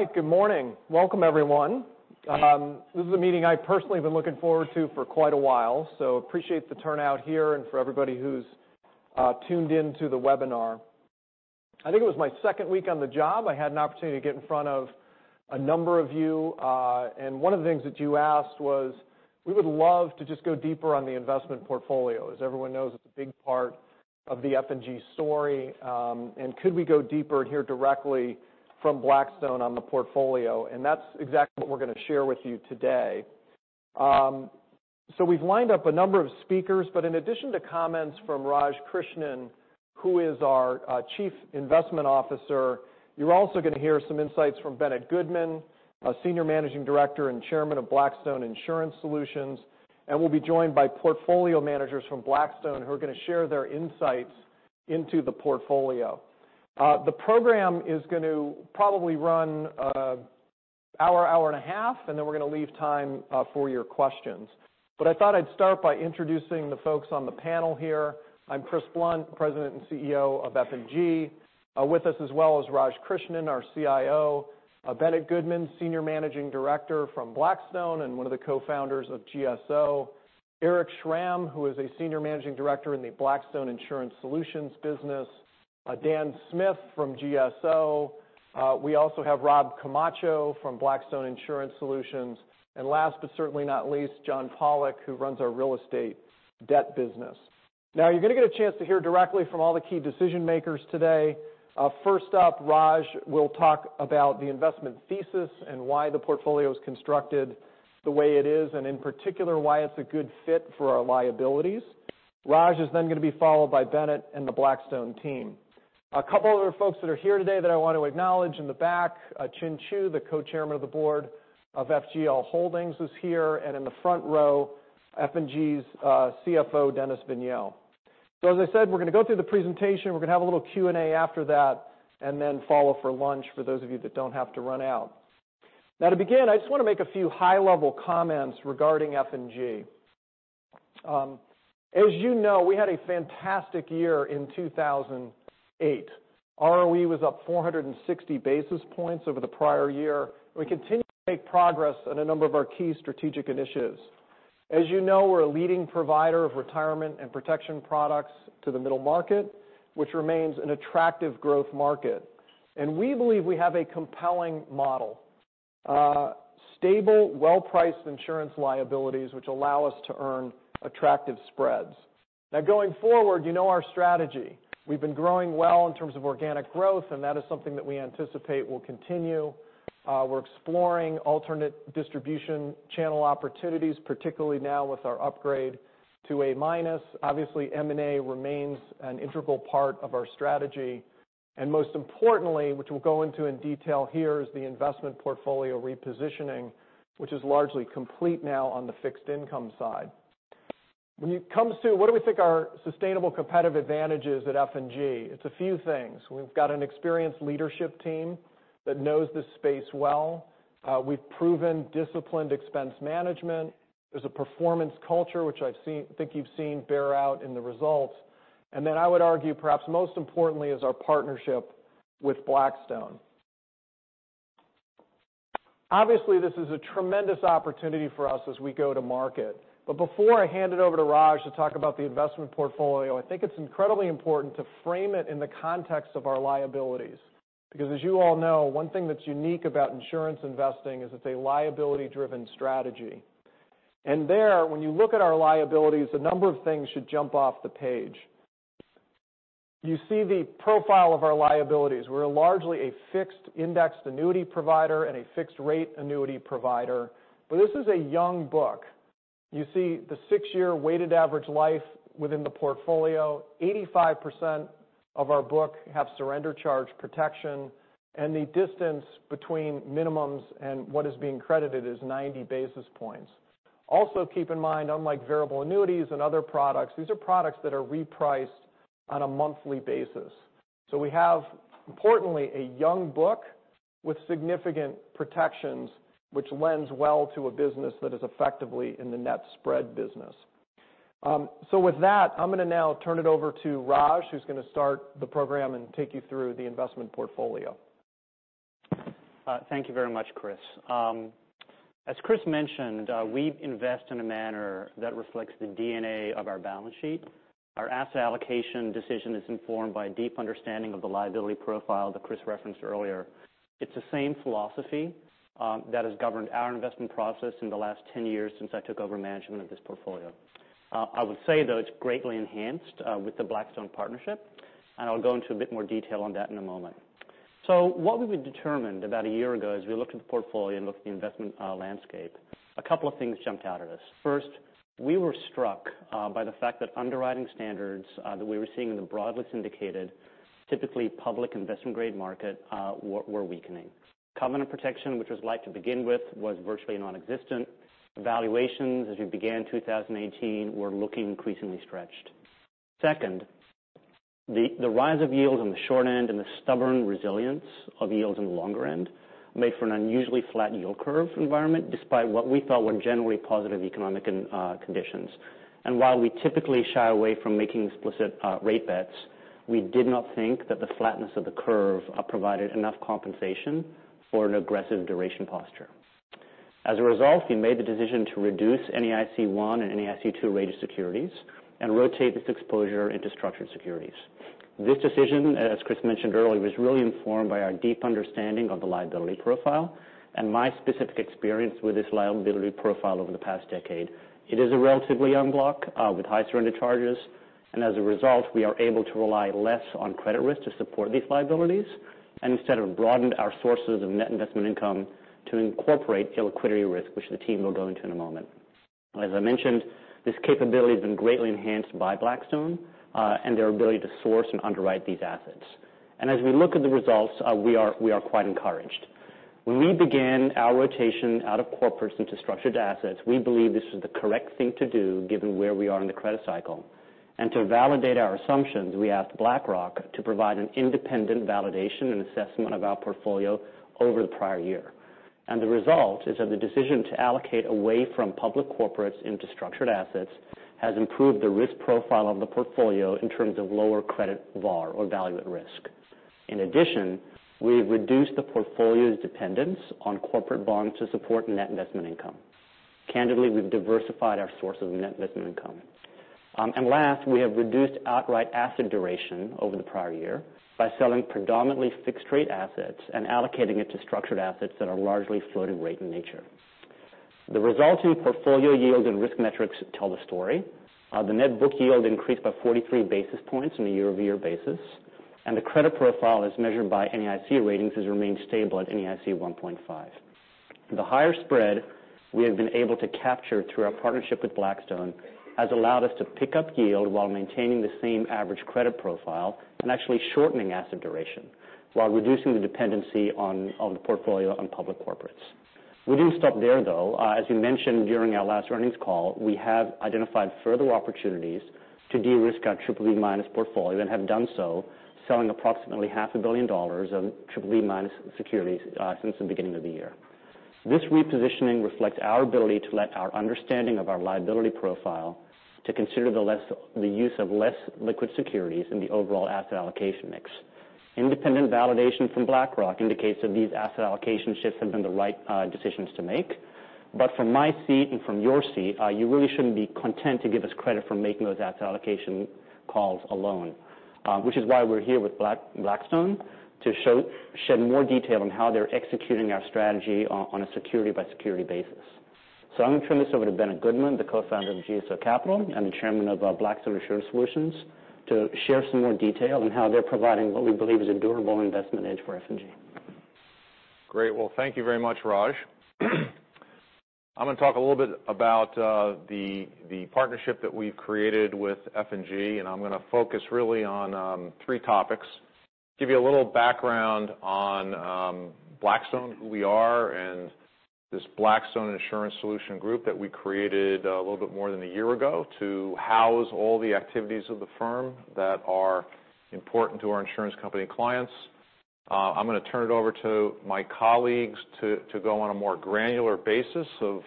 All right, good morning. Welcome, everyone. This is a meeting I personally have been looking forward to for quite a while. Appreciate the turnout here and for everybody who's tuned in to the webinar. I think it was my second week on the job, I had an opportunity to get in front of a number of you. One of the things that you asked was, we would love to just go deeper on the investment portfolio. As everyone knows, it's a big part of the F&G story. Could we go deeper and hear directly from Blackstone on the portfolio? That's exactly what we're going to share with you today. We've lined up a number of speakers, but in addition to comments from Raj Krishnan, who is our Chief Investment Officer, you're also going to hear some insights from Bennett Goodman, a Senior Managing Director and Chairman of Blackstone Insurance Solutions. We'll be joined by portfolio managers from Blackstone who are going to share their insights into the portfolio. The program is going to probably run an hour and a half. We're going to leave time for your questions. I thought I'd start by introducing the folks on the panel here. I'm Chris Blunt, President and CEO of F&G. With us as well is Raj Krishnan, our CIO, Bennett Goodman, Senior Managing Director from Blackstone, and one of the co-founders of GSO. Eric Schramm, who is a Senior Managing Director in the Blackstone Insurance Solutions business. Dan Smith from GSO. We also have Rob Camacho from Blackstone Insurance Solutions. Last but certainly not least, Jonathan Pollack, who runs our real estate debt business. You're going to get a chance to hear directly from all the key decision-makers today. First up, Raj will talk about the investment thesis and why the portfolio is constructed the way it is, and in particular, why it's a good fit for our liabilities. Raj is going to be followed by Bennett and the Blackstone team. A couple other folks that are here today that I want to acknowledge. In the back, Chinh Chu, the co-chairman of the board of FGL Holdings is here, and in the front row, F&G's CFO, Dennis Vigneau. As I said, we're going to go through the presentation. We're going to have a little Q&A after that. Follow for lunch for those of you that don't have to run out. To begin, I just want to make a few high-level comments regarding F&G. As you know, we had a fantastic year in 2008. ROE was up 460 basis points over the prior year. We continue to make progress on a number of our key strategic initiatives. As you know, we're a leading provider of retirement and protection products to the middle market, which remains an attractive growth market. We believe we have a compelling model. Stable, well-priced insurance liabilities which allow us to earn attractive spreads. Going forward, you know our strategy. We've been growing well in terms of organic growth. That is something that we anticipate will continue. We're exploring alternate distribution channel opportunities, particularly now with our upgrade to A-. Obviously, M&A remains an integral part of our strategy. Most importantly, which we'll go into in detail here is the investment portfolio repositioning, which is largely complete now on the fixed income side. When it comes to what do we think are sustainable competitive advantages at F&G, it's a few things. We've got an experienced leadership team that knows this space well. We've proven disciplined expense management. There's a performance culture, which I think you've seen bear out in the results. Then I would argue, perhaps most importantly is our partnership with Blackstone. Obviously, this is a tremendous opportunity for us as we go to market. Before I hand it over to Raj to talk about the investment portfolio, I think it's incredibly important to frame it in the context of our liabilities. As you all know, one thing that's unique about insurance investing is it's a liability-driven strategy. There, when you look at our liabilities, a number of things should jump off the page. You see the profile of our liabilities. We're largely a fixed indexed annuity provider and a fixed rate annuity provider. This is a young book. You see the six-year weighted average life within the portfolio. 85% of our book have surrender charge protection, and the distance between minimums and what is being credited is 90 basis points. Also, keep in mind, unlike variable annuity and other products, these are products that are repriced on a monthly basis. We have, importantly, a young book with significant protections which lends well to a business that is effectively in the net spread business. With that, I'm going to now turn it over to Raj who's going to start the program and take you through the investment portfolio. Thank you very much, Chris. As Chris mentioned, we invest in a manner that reflects the DNA of our balance sheet. Our asset allocation decision is informed by a deep understanding of the liability profile that Chris referenced earlier. It's the same philosophy that has governed our investment process in the last ten years since I took over management of this portfolio. I would say, though, it's greatly enhanced with the Blackstone partnership, and I'll go into a bit more detail on that in a moment. What we determined about a year ago as we looked at the portfolio and looked at the investment landscape, a couple of things jumped out at us. First, we were struck by the fact that underwriting standards that we were seeing in the broadly syndicated, typically public investment grade market were weakening. Covenant protection, which was light to begin with, was virtually nonexistent. Evaluations, as we began 2018, were looking increasingly stretched. Second, the rise of yields on the short end and the stubborn resilience of yields on the longer end made for an unusually flat yield curve environment despite what we thought were generally positive economic conditions. While we typically shy away from making explicit rate bets, we did not think that the flatness of the curve provided enough compensation for an aggressive duration posture. As a result, we made the decision to reduce NAIC-1 and NAIC-2 rated securities and rotate this exposure into structured securities. This decision, as Chris mentioned earlier, was really informed by our deep understanding of the liability profile and my specific experience with this liability profile over the past decade. It is a relatively young block with high surrender charges. As a result, we are able to rely less on credit risk to support these liabilities, and instead have broadened our sources of net investment income to incorporate illiquidity risk, which the team will go into in a moment. As I mentioned, this capability has been greatly enhanced by Blackstone and their ability to source and underwrite these assets. As we look at the results, we are quite encouraged. When we began our rotation out of corporates into structured assets, we believed this was the correct thing to do given where we are in the credit cycle. To validate our assumptions, we asked BlackRock to provide an independent validation and assessment of our portfolio over the prior year. The result is that the decision to allocate away from public corporates into structured assets has improved the risk profile of the portfolio in terms of lower credit VaR or value at risk. In addition, we've reduced the portfolio's dependence on corporate bonds to support net investment income. Candidly, we've diversified our sources of net investment income. Last, we have reduced outright asset duration over the prior year by selling predominantly fixed-rate assets and allocating it to structured assets that are largely floating rate in nature. The resulting portfolio yield and risk metrics tell the story. The net book yield increased by 43 basis points on a year-over-year basis, and the credit profile as measured by NAIC ratings has remained stable at NAIC 1.5. The higher spread we have been able to capture through our partnership with Blackstone has allowed us to pick up yield while maintaining the same average credit profile and actually shortening asset duration while reducing the dependency on the portfolio on public corporates. We didn't stop there, though. As we mentioned during our last earnings call, we have identified further opportunities to de-risk our BBB-minus portfolio and have done so, selling approximately half a billion dollars of BBB-minus securities since the beginning of the year. This repositioning reflects our ability to let our understanding of our liability profile to consider the use of less liquid securities in the overall asset allocation mix. Independent validation from BlackRock indicates that these asset allocation shifts have been the right decisions to make. From my seat and from your seat, you really shouldn't be content to give us credit for making those asset allocation calls alone. Which is why we're here with Blackstone to shed more detail on how they're executing our strategy on a security-by-security basis. I'm going to turn this over to Bennett Goodman, the co-founder of GSO Capital and the chairman of Blackstone Insurance Solutions, to share some more detail on how they're providing what we believe is a durable investment edge for F&G. Great. Thank you very much, Raj. I'm going to talk a little bit about the partnership that we've created with F&G, and I'm going to focus really on three topics. Give you a little background on Blackstone, who we are, and this Blackstone Insurance Solutions group that we created a little bit more than a year ago to house all the activities of the firm that are important to our insurance company clients. I'm going to turn it over to my colleagues to go on a more granular basis of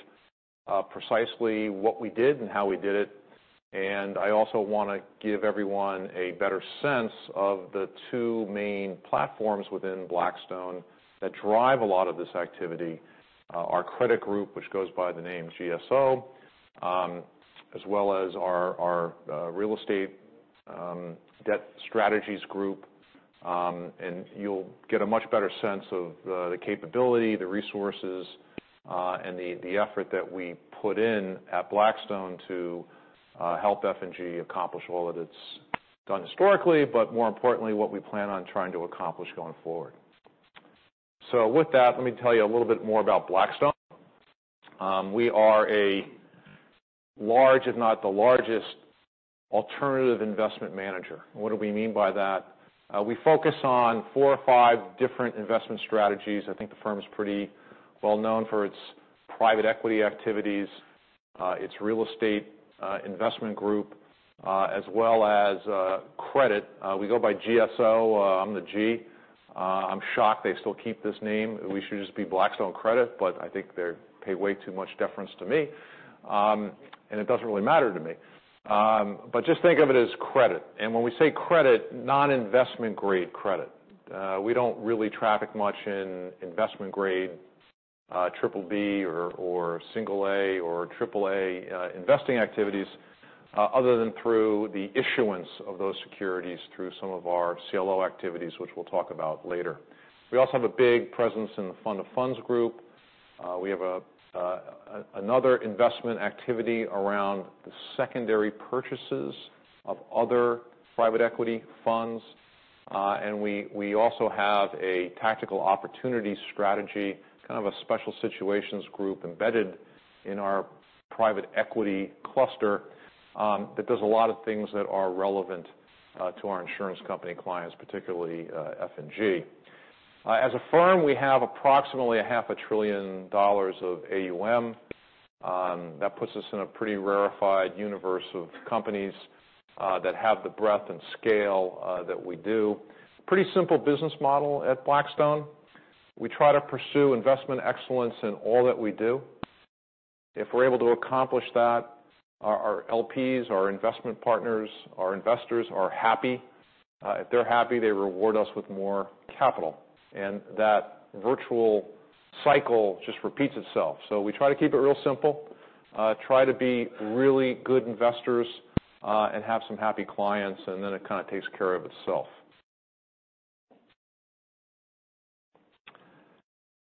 precisely what we did and how we did it. I also want to give everyone a better sense of the two main platforms within Blackstone that drive a lot of this activity, our credit group, which goes by the name GSO, as well as our real estate debt strategies group. You'll get a much better sense of the capability, the resources, and the effort that we put in at Blackstone to help F&G accomplish all that it's done historically, but more importantly, what we plan on trying to accomplish going forward. With that, let me tell you a little bit more about Blackstone. We are a large, if not the largest, alternative investment manager. What do we mean by that? We focus on four or five different investment strategies. I think the firm is pretty well known for its private equity activities, its real estate investment group, as well as credit. We go by GSO. I'm the G. I'm shocked they still keep this name. We should just be Blackstone Credit, but I think they pay way too much deference to me, and it doesn't really matter to me. Just think of it as credit. When we say credit, non-investment grade credit. We don't really traffic much in investment-grade BBB or A or AAA investing activities other than through the issuance of those securities through some of our CLO activities, which we'll talk about later. We also have a big presence in the fund of funds group. We have another investment activity around the secondary purchases of other private equity funds. We also have a tactical opportunity strategy, kind of a special situations group embedded in our private equity cluster, that does a lot of things that are relevant to our insurance company clients, particularly F&G. As a firm, we have approximately a half a trillion dollars of AUM. That puts us in a pretty rarefied universe of companies that have the breadth and scale that we do. Pretty simple business model at Blackstone. We try to pursue investment excellence in all that we do. If we're able to accomplish that, our LPs, our investment partners, our investors are happy. If they're happy, they reward us with more capital, and that virtual cycle just repeats itself. We try to keep it real simple, try to be really good investors, and have some happy clients, and then it kind of takes care of itself.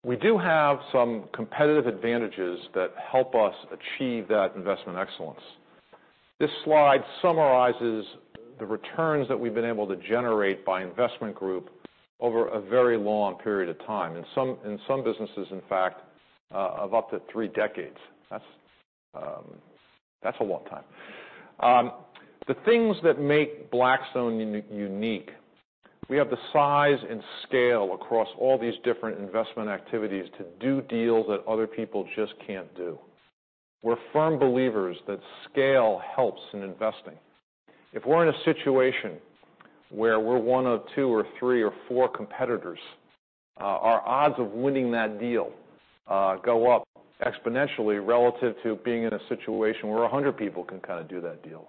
We do have some competitive advantages that help us achieve that investment excellence. This slide summarizes the returns that we've been able to generate by investment group over a very long period of time, in some businesses, in fact of up to three decades. That's a long time. The things that make Blackstone unique, we have the size and scale across all these different investment activities to do deals that other people just can't do. We're firm believers that scale helps in investing. If we're in a situation where we're one of two or three or four competitors, our odds of winning that deal go up exponentially relative to being in a situation where 100 people can do that deal.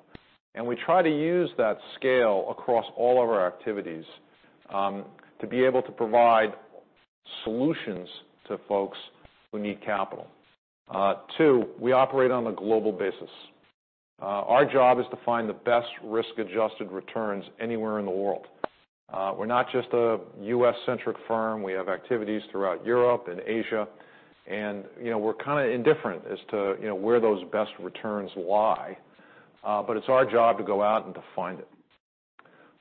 And we try to use that scale across all of our activities, to be able to provide solutions to folks who need capital. Two, we operate on a global basis. Our job is to find the best risk-adjusted returns anywhere in the world. We're not just a U.S.-centric firm. We have activities throughout Europe and Asia, and we're kind of indifferent as to where those best returns lie. But it's our job to go out and to find it.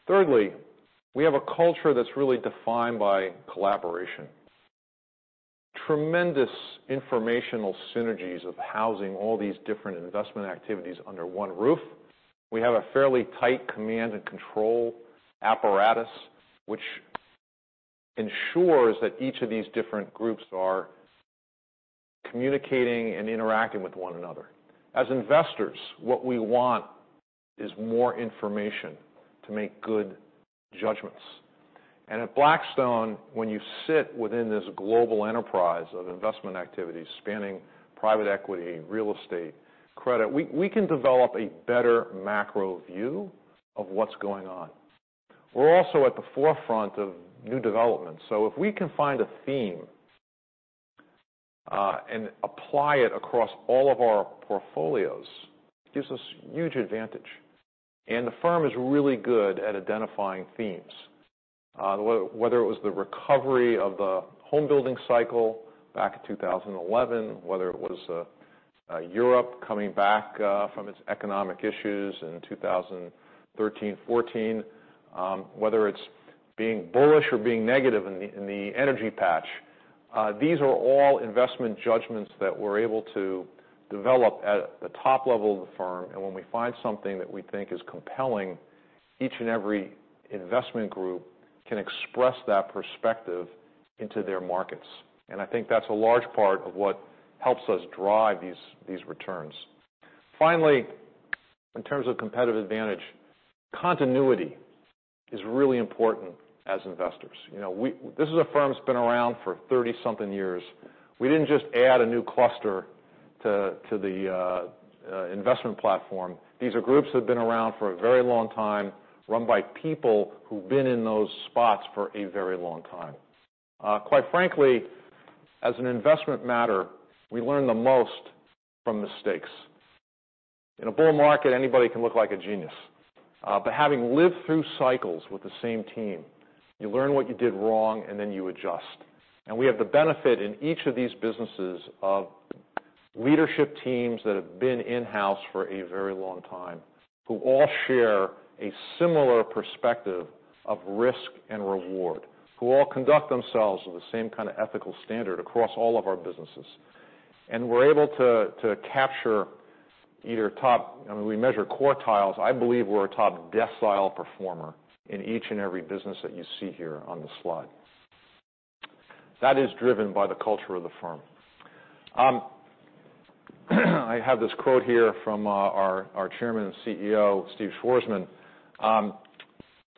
Thirdly, we have a culture that's really defined by collaboration. Tremendous informational synergies of housing all these different investment activities under one roof. We have a fairly tight command and control apparatus, which ensures that each of these different groups are communicating and interacting with one another. As investors, what we want is more information to make good judgments. At Blackstone, when you sit within this global enterprise of investment activities spanning private equity, real estate, credit, we can develop a better macro view of what's going on. We're also at the forefront of new developments. If we can find a theme, and apply it across all of our portfolios, it gives us huge advantage. And the firm is really good at identifying themes. Whether it was the recovery of the home building cycle back in 2011, whether it was Europe coming back from its economic issues in 2013, '14, whether it's being bullish or being negative in the energy patch, these are all investment judgments that we're able to develop at the top level of the firm. When we find something that we think is compelling, each and every investment group can express that perspective into their markets. I think that's a large part of what helps us drive these returns. Finally, in terms of competitive advantage, continuity is really important as investors. This is a firm that's been around for 30-something years. We didn't just add a new cluster to the investment platform. These are groups that have been around for a very long time, run by people who've been in those spots for a very long time. Quite frankly, as an investment matter, we learn the most from mistakes. In a bull market, anybody can look like a genius. Having lived through cycles with the same team, you learn what you did wrong, then you adjust. We have the benefit in each of these businesses of leadership teams that have been in-house for a very long time, who all share a similar perspective of risk and reward, who all conduct themselves with the same kind of ethical standard across all of our businesses. We're able to capture either top We measure quartiles. I believe we're a top decile performer in each and every business that you see here on the slide. That is driven by the culture of the firm. I have this quote here from our Chairman and CEO, Stephen Schwarzman,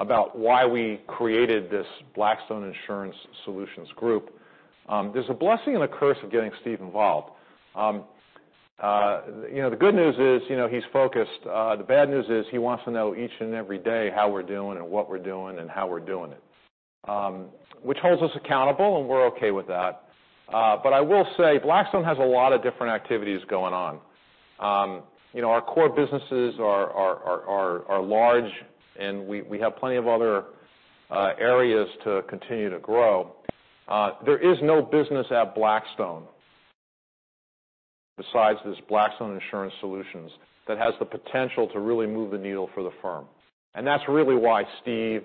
about why we created this Blackstone Insurance Solutions group. There's a blessing and a curse of getting Steve involved. The good news is he's focused. The bad news is he wants to know each and every day how we're doing and what we're doing and how we're doing it. Which holds us accountable, and we're okay with that. I will say Blackstone has a lot of different activities going on. Our core businesses are large, and we have plenty of other areas to continue to grow. There is no business at Blackstone besides this Blackstone Insurance Solutions that has the potential to really move the needle for the firm. That's really why Steve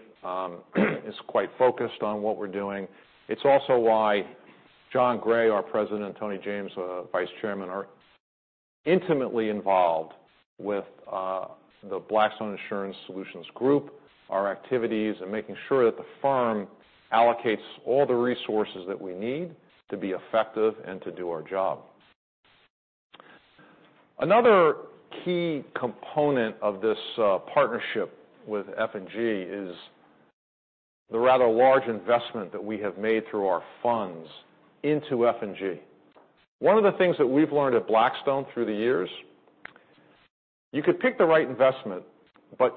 is quite focused on what we're doing. It's also why Jon Gray, our President, Tony James, Vice Chairman, are intimately involved with the Blackstone Insurance Solutions group, our activities, and making sure that the firm allocates all the resources that we need to be effective and to do our job. Another key component of this partnership with F&G is the rather large investment that we have made through our funds into F&G. One of the things that we've learned at Blackstone through the years, you could pick the right investment,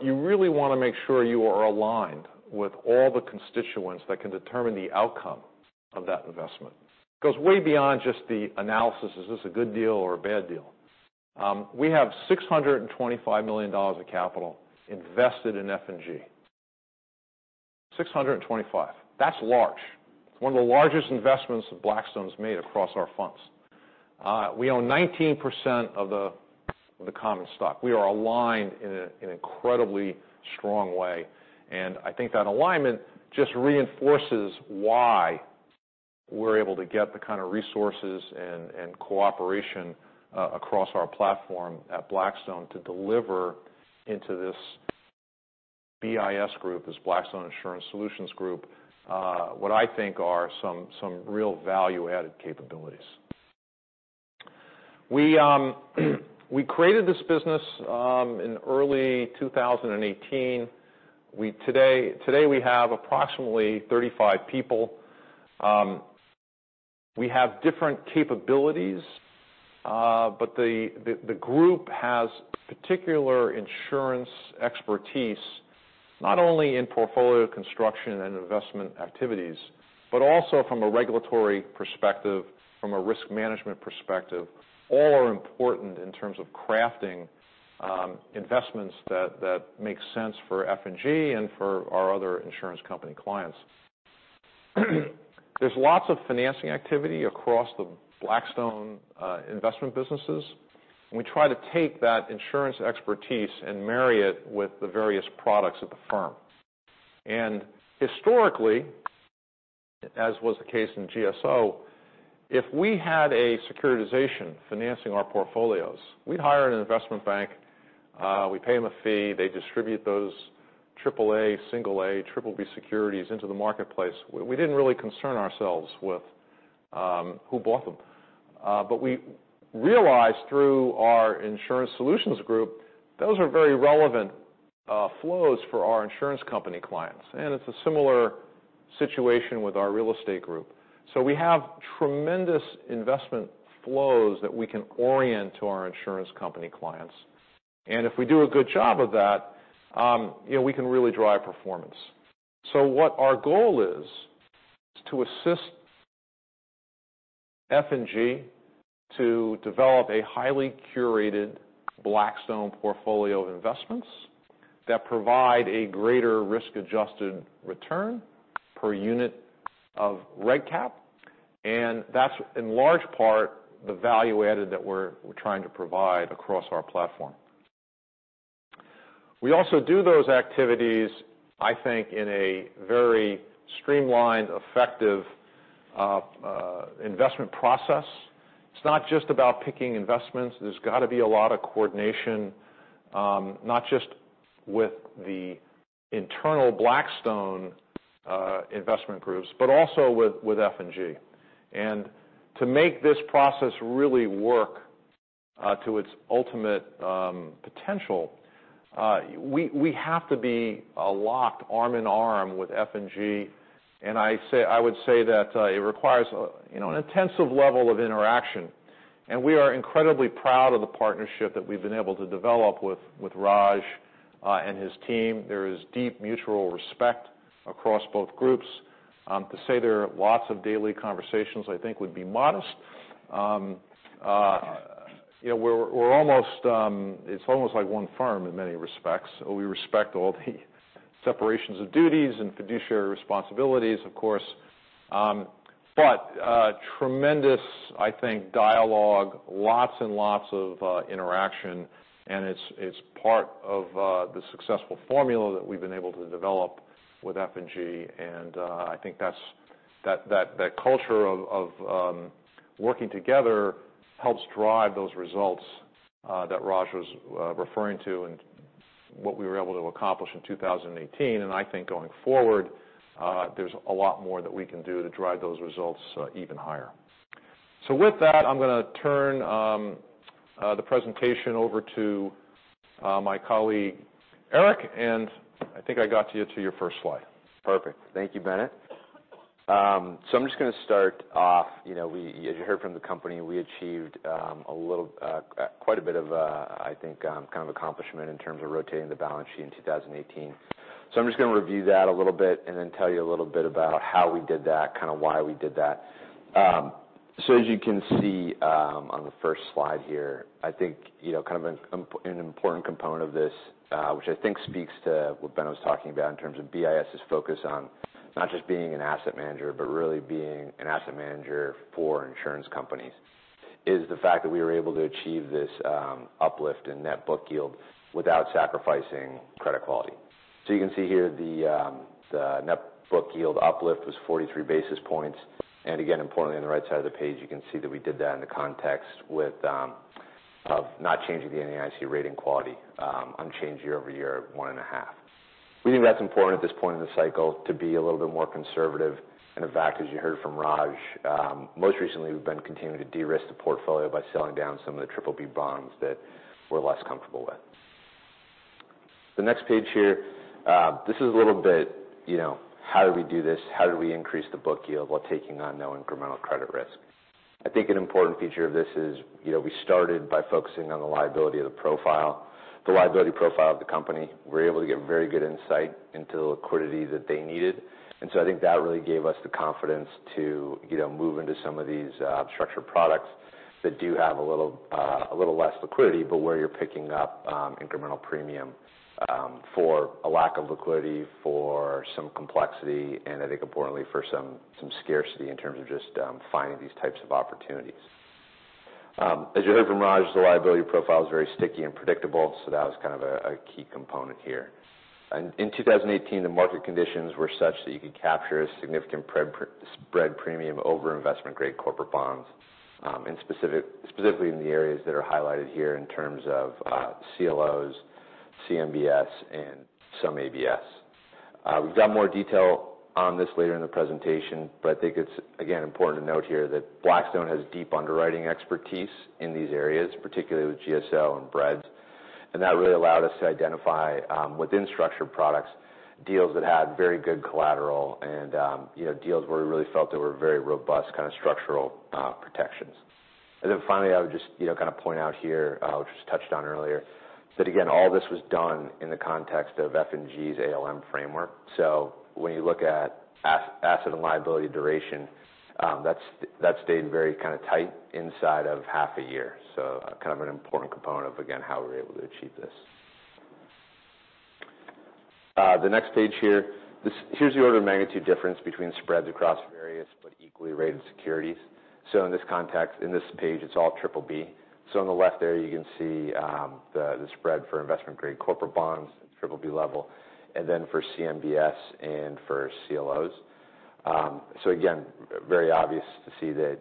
you really want to make sure you are aligned with all the constituents that can determine the outcome of that investment. It goes way beyond just the analysis, is this a good deal or a bad deal? We have $625 million of capital invested in F&G. $625. That's large. It's one of the largest investments that Blackstone's made across our funds. We own 19% of the common stock. We are aligned in an incredibly strong way, I think that alignment just reinforces why we're able to get the kind of resources and cooperation across our platform at Blackstone to deliver into this BIS group, this Blackstone Insurance Solutions group, what I think are some real value-added capabilities. We created this business in early 2018. Today we have approximately 35 people. We have different capabilities, the group has particular insurance expertise, not only in portfolio construction and investment activities, but also from a regulatory perspective, from a risk management perspective. All are important in terms of crafting investments that make sense for F&G and for our other insurance company clients. There's lots of financing activity across the Blackstone investment businesses, we try to take that insurance expertise and marry it with the various products of the firm. Historically, as was the case in GSO, if we had a securitization financing our portfolios, we'd hire an investment bank, we'd pay them a fee, they'd distribute those triple A, single A, triple B securities into the marketplace. We didn't really concern ourselves with who bought them. We realized through our Insurance Solutions group, those are very relevant flows for our insurance company clients, and it's a similar situation with our real estate group. We have tremendous investment flows that we can orient to our insurance company clients, and if we do a good job of that, we can really drive performance. What our goal is to assist F&G to develop a highly curated Blackstone portfolio of investments that provide a greater risk-adjusted return per unit of Regulatory Capital, and that's in large part the value added that we're trying to provide across our platform. We also do those activities, I think, in a very streamlined, effective investment process. It's not just about picking investments. There's got to be a lot of coordination, not just with the internal Blackstone investment groups, but also with F&G. To make this process really work to its ultimate potential, we have to be locked arm in arm with F&G, and I would say that it requires an intensive level of interaction. We are incredibly proud of the partnership that we've been able to develop with Raj and his team. There is deep mutual respect across both groups. To say there are lots of daily conversations, I think would be modest. It's almost like one firm in many respects. We respect all the separations of duties and fiduciary responsibilities, of course. Tremendous, I think, dialogue, lots and lots of interaction, and it's part of the successful formula that we've been able to develop with F&G. I think that culture of working together helps drive those results that Raj was referring to and what we were able to accomplish in 2018. I think going forward, there's a lot more that we can do to drive those results even higher. With that, I'm going to turn the presentation over to my colleague, Erich, and I think I got you to your first slide. Perfect. Thank you, Bennett. I'm just going to start off. As you heard from the company, we achieved quite a bit of, I think, accomplishment in terms of rotating the balance sheet in 2018. I'm just going to review that a little bit and then tell you a little bit about how we did that, kind of why we did that. As you can see on the first slide here, I think an important component of this, which I think speaks to what Ben was talking about in terms of BIS' focus on not just being an asset manager, but really being an asset manager for insurance companies, is the fact that we were able to achieve this uplift in net book yield without sacrificing credit quality. You can see here the net book yield uplift was 43 basis points. Importantly, on the right side of the page, you can see that we did that in the context of not changing the NAIC rating quality, unchanged year over year at 1.5. We think that's important at this point in the cycle to be a little bit more conservative. In fact, as you heard from Raj, most recently we've been continuing to de-risk the portfolio by selling down some of the triple B bonds that we're less comfortable with. The next page here. This is a little bit, how do we do this? How do we increase the book yield while taking on no incremental credit risk? I think an important feature of this is we started by focusing on the liability profile of the company. We were able to get very good insight into the liquidity that they needed. I think that really gave us the confidence to move into some of these structured products that do have a little less liquidity, but where you're picking up incremental premium for a lack of liquidity, for some complexity, and I think importantly, for some scarcity in terms of just finding these types of opportunities. As you heard from Raj, the liability profile is very sticky and predictable, so that was kind of a key component here. In 2018, the market conditions were such that you could capture a significant spread premium over investment-grade corporate bonds, and specifically in the areas that are highlighted here in terms of CLOs, CMBS, and some ABS. We've got more detail on this later in the presentation, but I think it's, again, important to note here that Blackstone has deep underwriting expertise in these areas, particularly with GSO and BREDS. That really allowed us to identify within structured products deals that had very good collateral and deals where we really felt there were very robust kind of structural protections. Finally, I would just point out here, which was touched on earlier, that again, all this was done in the context of F&G's ALM framework. When you look at asset and liability duration, that stayed very kind of tight inside of half a year. Kind of an important component of, again, how we were able to achieve this. The next page here. Here's the order of magnitude difference between spreads across various but equally rated securities. In this context, in this page, it's all triple B. On the left there, you can see the spread for investment-grade corporate bonds at triple B level, and then for CMBS and for CLOs. Again, very obvious to see that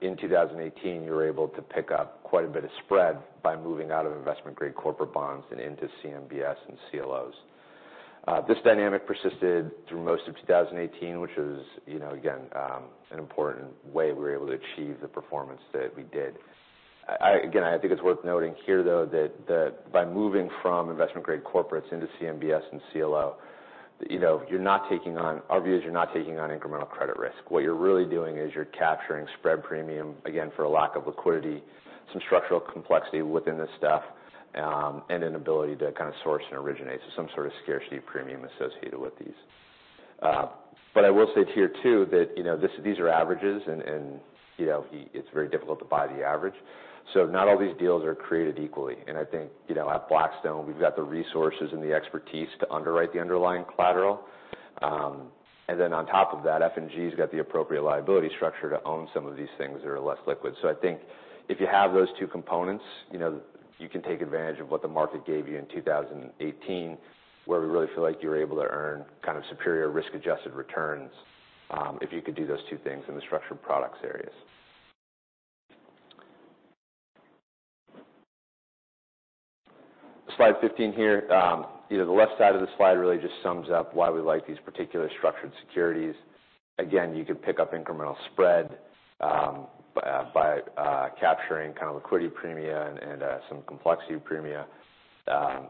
in 2018, you were able to pick up quite a bit of spread by moving out of investment-grade corporate bonds and into CMBS and CLOs. This dynamic persisted through most of 2018, which was, again, an important way we were able to achieve the performance that we did. Again, I think it's worth noting here, though, that by moving from investment-grade corporates into CMBS and CLO, our view is you're not taking on incremental credit risk. What you're really doing is you're capturing spread premium, again, for a lack of liquidity, some structural complexity within this stuff, and an ability to kind of source and originate. Some sort of scarcity premium associated with these. I will say here, too, that these are averages, and it's very difficult to buy the average. Not all these deals are created equally. I think at Blackstone, we've got the resources and the expertise to underwrite the underlying collateral. Then on top of that, F&G's got the appropriate liability structure to own some of these things that are less liquid. I think if you have those two components, you can take advantage of what the market gave you in 2018, where we really feel like you were able to earn kind of superior risk-adjusted returns if you could do those two things in the structured products areas. Slide 15 here. The left side of the slide really just sums up why we like these particular structured securities. Again, you could pick up incremental spread by capturing kind of liquidity premia and some complexity premia.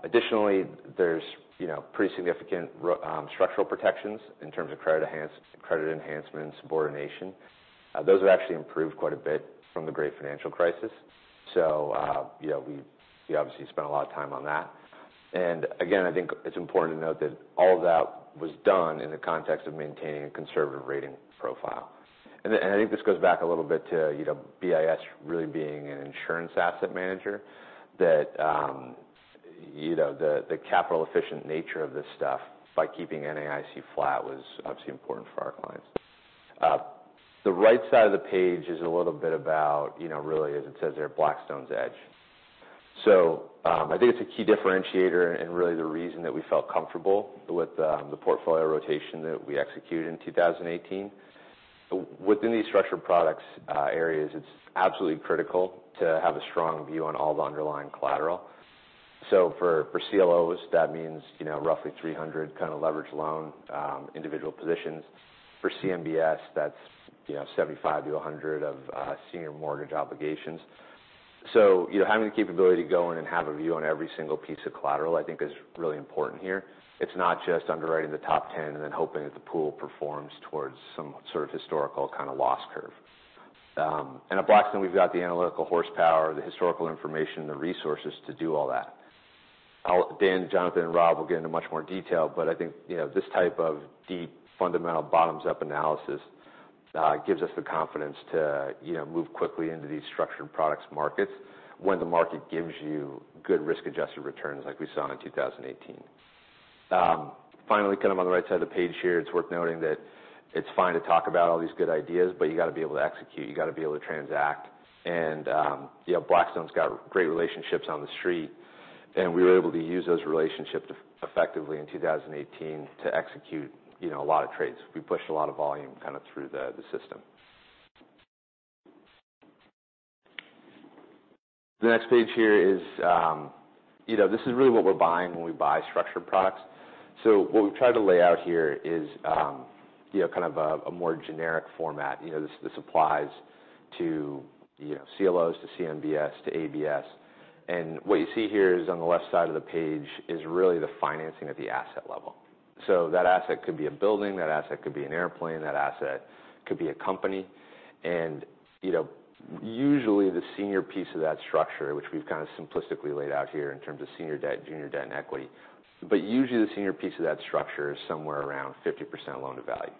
Additionally, there's pretty significant structural protections in terms of credit enhancements, subordination. Those have actually improved quite a bit from the great financial crisis. We obviously spent a lot of time on that. Again, I think it's important to note that all of that was done in the context of maintaining a conservative rating profile. I think this goes back a little bit to BIS really being an insurance asset manager. That the capital efficient nature of this stuff by keeping NAIC flat was obviously important for our clients. The right side of the page is a little bit about really, as it says there, Blackstone's edge. I think it's a key differentiator and really the reason that we felt comfortable with the portfolio rotation that we executed in 2018. Within these structured products areas, it's absolutely critical to have a strong view on all the underlying collateral. For CLOs, that means roughly 300 kind of leverage loan individual positions. For CMBS, that's 75-100 of senior mortgage obligations. Having the capability to go in and have a view on every single piece of collateral, I think is really important here. It's not just underwriting the top 10 and then hoping that the pool performs towards some sort of historical kind of loss curve. At Blackstone, we've got the analytical horsepower, the historical information, the resources to do all that. Dan, Jonathan, and Rob will get into much more detail, I think this type of deep, fundamental, bottoms-up analysis gives us the confidence to move quickly into these structured products markets when the market gives you good risk-adjusted returns like we saw in 2018. Finally, kind of on the right side of the page here, it's worth noting that it's fine to talk about all these good ideas, you got to be able to execute. You got to be able to transact. Blackstone's got great relationships on the street, and we were able to use those relationships effectively in 2018 to execute a lot of trades. We pushed a lot of volume kind of through the system. This is really what we're buying when we buy structured products. What we've tried to lay out here is kind of a more generic format. This applies to CLOs, to CMBS, to ABS. What you see here is on the left side of the page is really the financing at the asset level. That asset could be a building, that asset could be an airplane, that asset could be a company. Usually the senior piece of that structure, which we've kind of simplistically laid out here in terms of senior debt, junior debt, and equity. Usually, the senior piece of that structure is somewhere around 50% loan-to-value.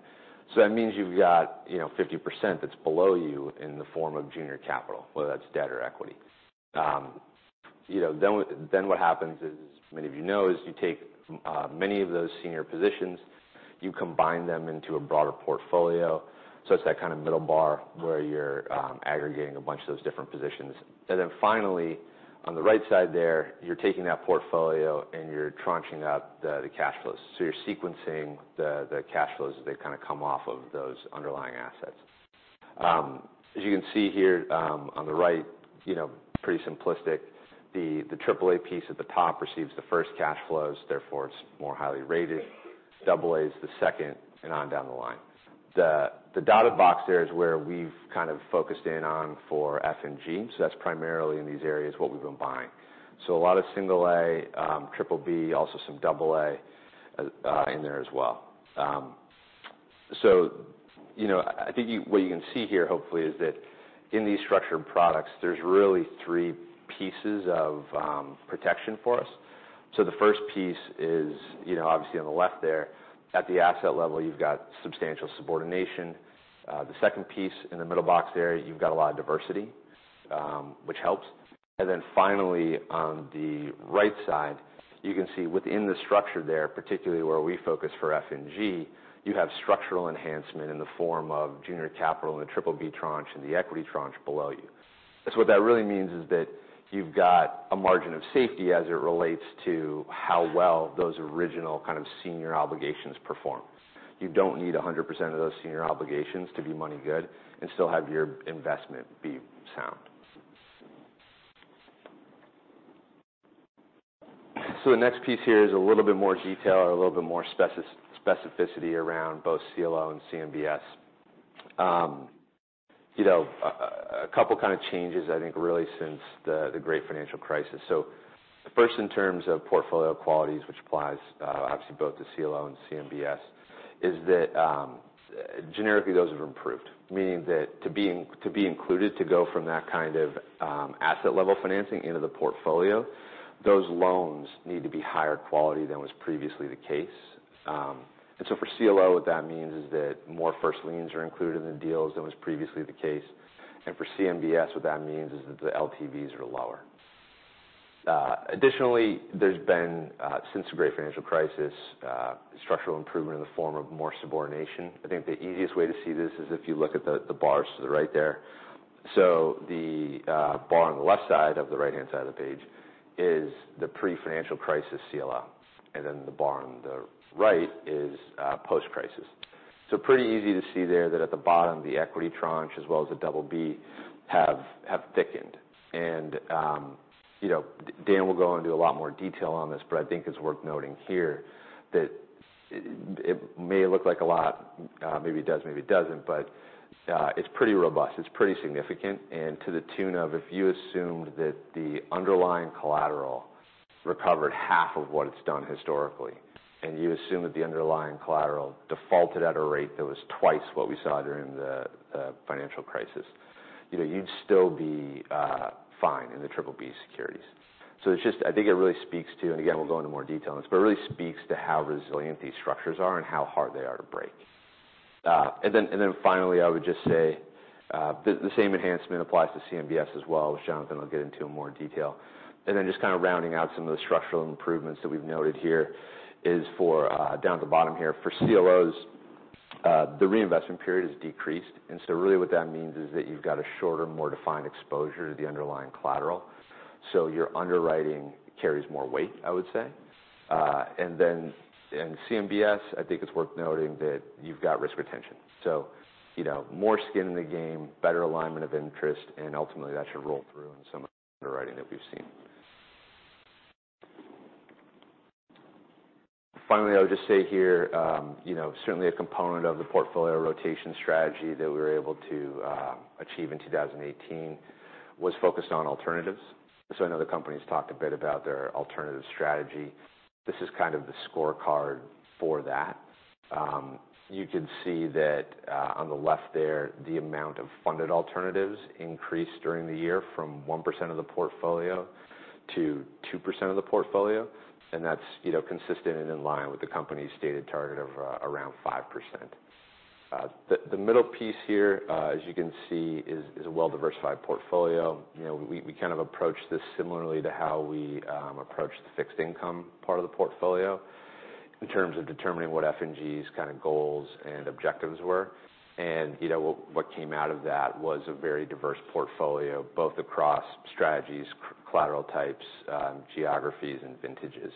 That means you've got 50% that's below you in the form of junior capital, whether that's debt or equity. What happens is, as many of you know, you take many of those senior positions, you combine them into a broader portfolio. It's that kind of middle bar where you're aggregating a bunch of those different positions. Finally, on the right side there, you're taking that portfolio and you're tranching out the cash flows. You're sequencing the cash flows as they kind of come off of those underlying assets. As you can see here on the right, pretty simplistic. The AAA piece at the top receives the first cash flows, therefore it's more highly rated. AA is the second, and on down the line. The dotted box there is where we've kind of focused in on for F&G. That's primarily in these areas what we've been buying. A lot of A, BBB, also some AA in there as well. I think what you can see here, hopefully, is that in these structured products, there's really three pieces of protection for us. The first piece is obviously on the left there. At the asset level, you've got substantial subordination. The second piece in the middle box there, you've got a lot of diversity, which helps. Finally, on the right side, you can see within the structure there, particularly where we focus for F&G, you have structural enhancement in the form of junior capital in the BBB tranche and the equity tranche below you. What that really means is that you've got a margin of safety as it relates to how well those original kind of senior obligations perform. You don't need 100% of those senior obligations to be money good and still have your investment be sound. The next piece here is a little bit more detail or a little bit more specificity around both CLO and CMBS. A couple kind of changes, I think, really since the great financial crisis. First in terms of portfolio qualities, which applies obviously both to CLO and CMBS, is that generically those have improved, meaning that to be included, to go from that kind of asset level financing into the portfolio, those loans need to be higher quality than was previously the case. For CLO, what that means is that more first liens are included in the deals than was previously the case. For CMBS, what that means is that the LTVs are lower. Additionally, there's been, since the great financial crisis, structural improvement in the form of more subordination. I think the easiest way to see this is if you look at the bars to the right there. The bar on the left side of the right-hand side of the page is the pre-financial crisis CLO. The bar on the right is post-crisis. Pretty easy to see there that at the bottom, the equity tranche, as well as the BB have thickened. Dan will go into a lot more detail on this, but I think it's worth noting here that it may look like a lot. Maybe it does, maybe it doesn't. It's pretty robust. It's pretty significant. To the tune of, if you assumed that the underlying collateral recovered half of what it's done historically, and you assume that the underlying collateral defaulted at a rate that was twice what we saw during the financial crisis, you'd still be fine in the triple B securities. I think it really speaks to, again, we'll go into more detail on this, it really speaks to how resilient these structures are and how hard they are to break. Finally, I would just say the same enhancement applies to CMBS as well, which Jonathan will get into in more detail. Just kind of rounding out some of the structural improvements that we've noted here is for down at the bottom here. For CLOs, the reinvestment period is decreased. Really what that means is that you've got a shorter, more defined exposure to the underlying collateral. Your underwriting carries more weight, I would say. CMBS, I think it's worth noting that you've got risk retention. More skin in the game, better alignment of interest, ultimately that should roll through in some of the underwriting that we've seen. Finally, I would just say here certainly a component of the portfolio rotation strategy that we were able to achieve in 2018 was focused on alternatives. I know the company's talked a bit about their alternative strategy. This is kind of the scorecard for that. You can see that on the left there, the amount of funded alternatives increased during the year from 1% of the portfolio to 2% of the portfolio. That's consistent and in line with the company's stated target of around 5%. The middle piece here, as you can see, is a well-diversified portfolio. We kind of approached this similarly to how we approached the fixed income part of the portfolio in terms of determining what F&G's kind of goals and objectives were. What came out of that was a very diverse portfolio, both across strategies, collateral types, geographies, and vintages.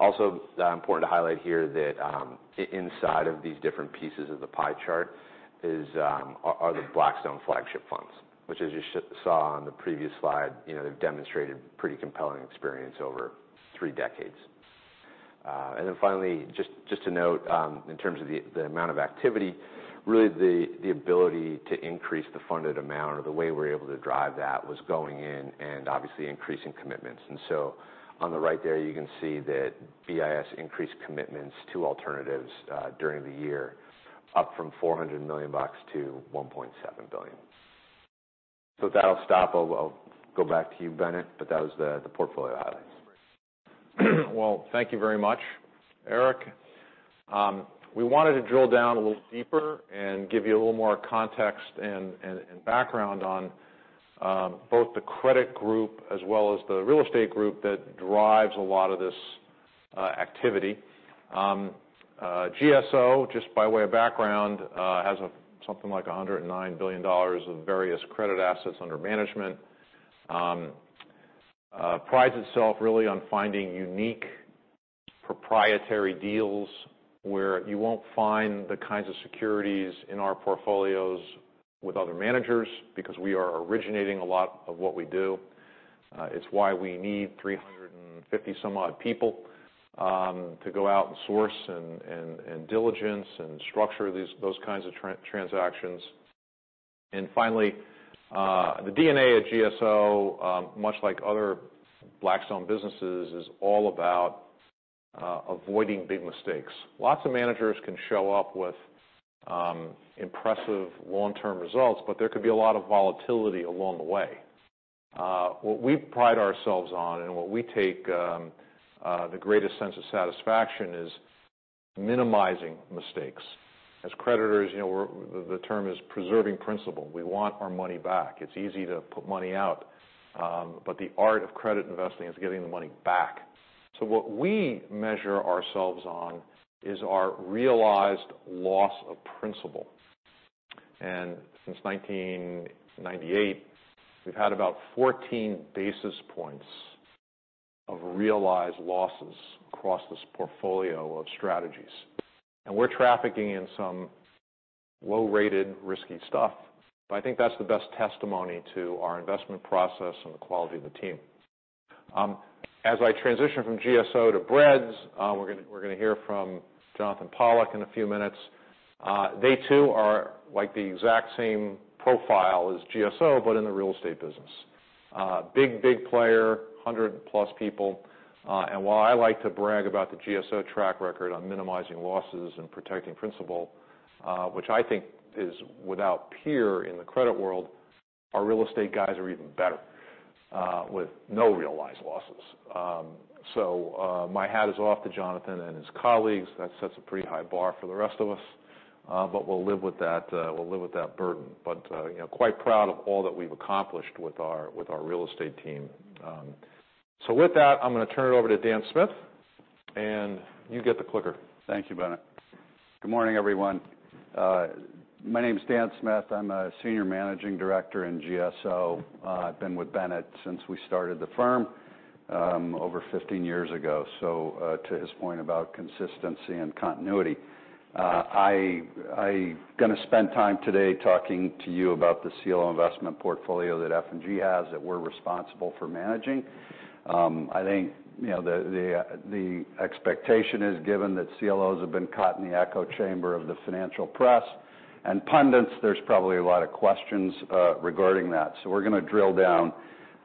Also important to highlight here that inside of these different pieces of the pie chart are the Blackstone flagship funds, which as you saw on the previous slide, they've demonstrated pretty compelling experience over three decades. Finally, just to note, in terms of the amount of activity, really the ability to increase the funded amount or the way we're able to drive that was going in and obviously increasing commitments. On the right there, you can see that BIS increased commitments to alternatives during the year, up from $400 million to $1.7 billion. With that, I'll stop. I'll go back to you, Bennett, that was the portfolio highlights. Thank you very much, Eric. We wanted to drill down a little deeper and give you a little more context and background on both the credit group as well as the real estate group that drives a lot of this activity. GSO, just by way of background, has something like $109 billion of various credit assets under management. It prides itself really on finding unique proprietary deals where you won't find the kinds of securities in our portfolios with other managers, because we are originating a lot of what we do. It's why we need 350 some odd people to go out and source, and diligence, and structure those kinds of transactions. Finally, the DNA at GSO, much like other Blackstone businesses, is all about avoiding big mistakes. Lots of managers can show up with impressive long-term results, but there could be a lot of volatility along the way. What we pride ourselves on and what we take the greatest sense of satisfaction is minimizing mistakes. As creditors, the term is preserving principal. We want our money back. It's easy to put money out. The art of credit investing is getting the money back. So what we measure ourselves on is our realized loss of principal. Since 1998, we've had about 14 basis points of realized losses across this portfolio of strategies. We're trafficking in some low-rated risky stuff. I think that's the best testimony to our investment process and the quality of the team. As I transition from GSO to BREDS, we're going to hear from Jonathan Pollack in a few minutes. They too are the exact same profile as GSO, but in the real estate business. Big player, 100-plus people. While I like to brag about the GSO track record on minimizing losses and protecting principal, which I think is without peer in the credit world, our real estate guys are even better, with no realized losses. My hat is off to Jonathan and his colleagues. That sets a pretty high bar for the rest of us. We'll live with that burden. Quite proud of all that we've accomplished with our real estate team. With that, I'm going to turn it over to Dan Smith, and you get the clicker. Thank you, Bennett. Good morning, everyone. My name's Dan Smith. I'm a Senior Managing Director in GSO. I've been with Bennett since we started the firm over 15 years ago. To his point about consistency and continuity, I going to spend time today talking to you about the CLO investment portfolio that F&G has that we're responsible for managing. I think the expectation is given that CLOs have been caught in the echo chamber of the financial press and pundits, there's probably a lot of questions regarding that. We're going to drill down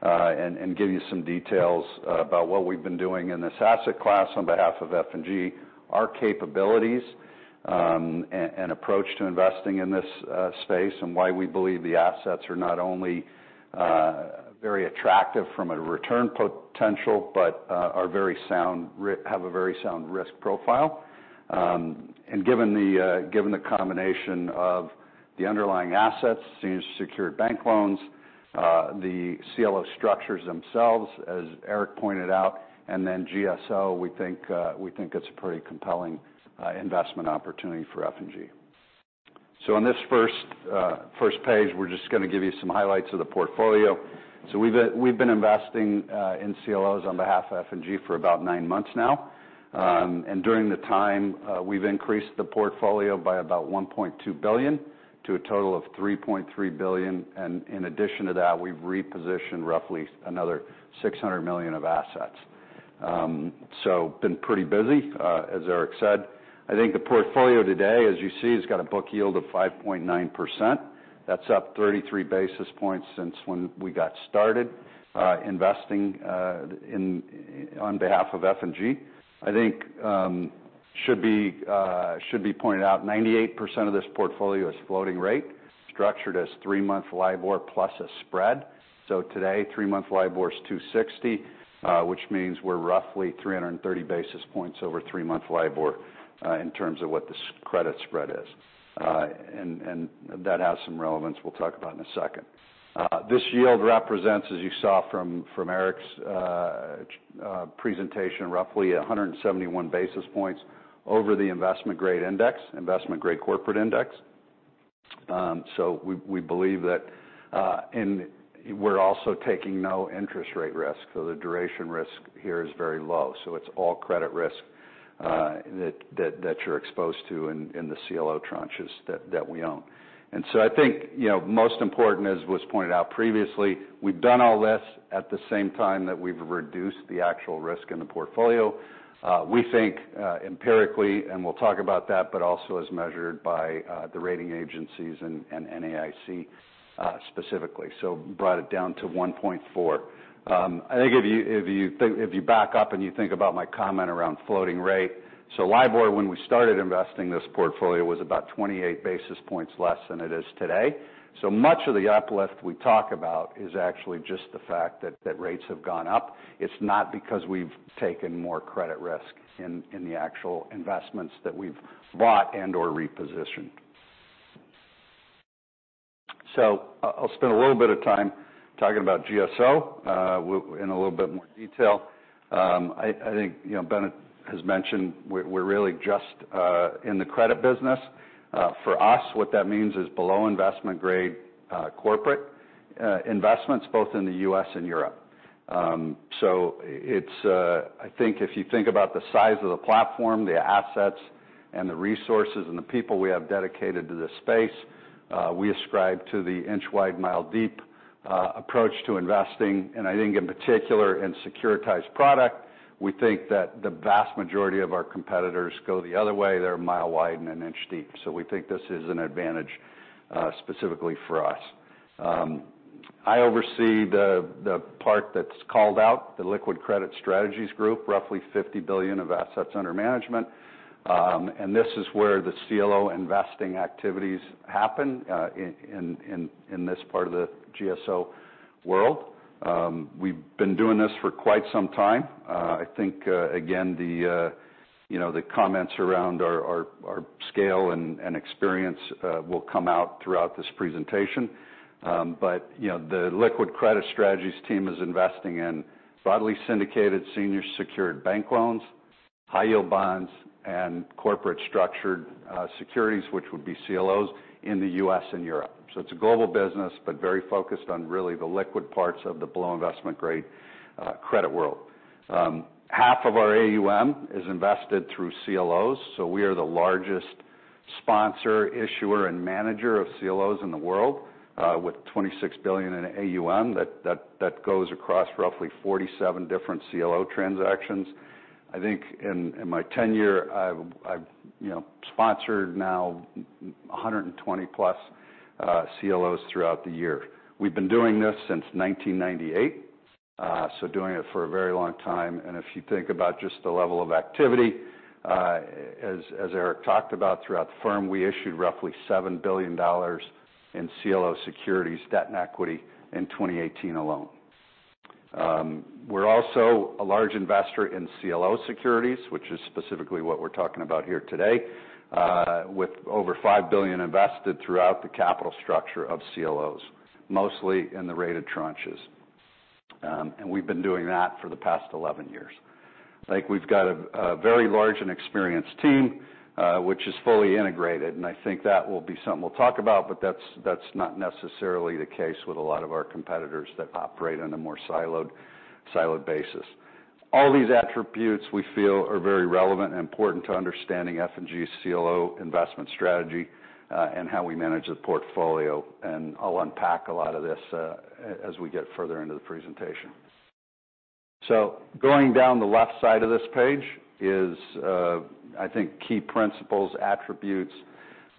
and give you some details about what we've been doing in this asset class on behalf of F&G, our capabilities, and approach to investing in this space, and why we believe the assets are not only very attractive from a return potential, but have a very sound risk profile. Given the combination of the underlying assets, senior secured bank loans, the CLO structures themselves, as Eric pointed out, then GSO, we think it's a pretty compelling investment opportunity for F&G. On this first page, we're just going to give you some highlights of the portfolio. We've been investing in CLOs on behalf of F&G for about nine months now. During the time, we've increased the portfolio by about $1.2 billion to a total of $3.3 billion, and in addition to that, we've repositioned roughly another $600 million of assets. Been pretty busy, as Eric said. I think the portfolio today, as you see, has got a book yield of 5.9%. That's up 33 basis points since when we got started investing on behalf of F&G. I think should be pointed out, 98% of this portfolio is floating rate, structured as three-month LIBOR plus a spread. Today, three-month LIBOR is 260, which means we're roughly 330 basis points over three-month LIBOR in terms of what this credit spread is. That has some relevance we'll talk about in a second. This yield represents, as you saw from Eric's presentation, roughly 171 basis points over the investment-grade index, investment-grade corporate index. We believe that. We're also taking no interest rate risk, the duration risk here is very low. It's all credit risk that you're exposed to in the CLO tranches that we own. I think, most important, as was pointed out previously, we've done all this at the same time that we've reduced the actual risk in the portfolio. We think empirically, and we'll talk about that, but also as measured by the rating agencies and NAIC specifically. Brought it down to 1.4. I think if you back up and you think about my comment around floating rate. LIBOR, when we started investing in this portfolio, was about 28 basis points less than it is today. Much of the uplift we talk about is actually just the fact that rates have gone up. It's not because we've taken more credit risk in the actual investments that we've bought and/or repositioned. I'll spend a little bit of time talking about GSO in a little bit more detail. I think Bennett has mentioned we're really just in the credit business. For us, what that means is below investment-grade corporate investments both in the U.S. and Europe. I think if you think about the size of the platform, the assets and the resources and the people we have dedicated to this space, we ascribe to the inch-wide, mile-deep approach to investing. I think in particular, in securitized product, we think that the vast majority of our competitors go the other way. They're a mile wide and an inch deep. We think this is an advantage specifically for us. I oversee the part that's called out, the Liquid Credit Strategies Group, roughly $50 billion of assets under management. This is where the CLO investing activities happen in this part of the GSO world. We've been doing this for quite some time. I think again, the comments around our scale and experience will come out throughout this presentation. The Liquid Credit Strategies team is investing in broadly syndicated senior secured bank loans, high-yield bonds, and corporate structured securities, which would be CLOs in the U.S. and Europe. It's a global business, but very focused on really the liquid parts of the below investment-grade credit world. Half of our AUM is invested through CLOs. We are the largest sponsor, issuer, and manager of CLOs in the world with $26 billion in AUM. That goes across roughly 47 different CLO transactions. In my tenure, I've sponsored now 120+ CLOs throughout the year. We've been doing this since 1998. Doing it for a very long time. If you think about just the level of activity, as Eric talked about throughout the firm, we issued roughly $7 billion in CLO securities, debt, and equity in 2018 alone. We're also a large investor in CLO securities, which is specifically what we're talking about here today, with over $5 billion invested throughout the capital structure of CLOs. Mostly in the rated tranches. We've been doing that for the past 11 years. We've got a very large and experienced team, which is fully integrated, and that will be something we'll talk about, but that's not necessarily the case with a lot of our competitors that operate on a more siloed basis. All these attributes we feel are very relevant and important to understanding F&G's CLO investment strategy and how we manage the portfolio. I'll unpack a lot of this as we get further into the presentation. Going down the left side of this page is key principles, attributes,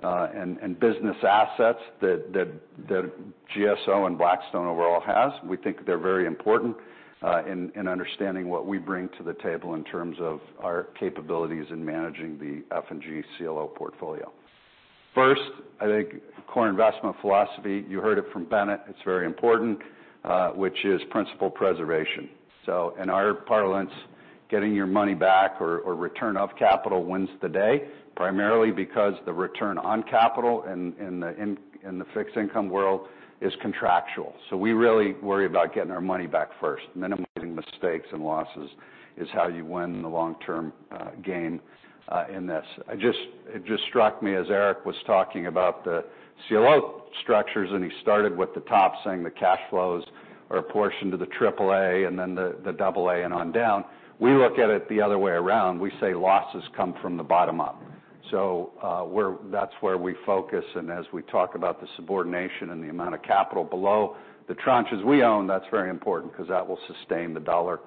and business assets that GSO and Blackstone overall have. We think they're very important in understanding what we bring to the table in terms of our capabilities in managing the F&G CLO portfolio. First, core investment philosophy, you heard it from Bennett, it's very important, which is principal preservation. In our parlance, getting your money back or return of capital wins the day, primarily because the return on capital in the fixed income world is contractual. We really worry about getting our money back first. Minimizing mistakes and losses is how you win the long-term gain in this. It just struck me as Eric was talking about the CLO structures, and he started with the top saying the cash flows are apportioned to the triple A and then the double A and on down. We look at it the other way around. We say losses come from the bottom up. That's where we focus. As we talk about the subordination and the amount of capital below the tranches we own, that's very important because that will sustain the dollar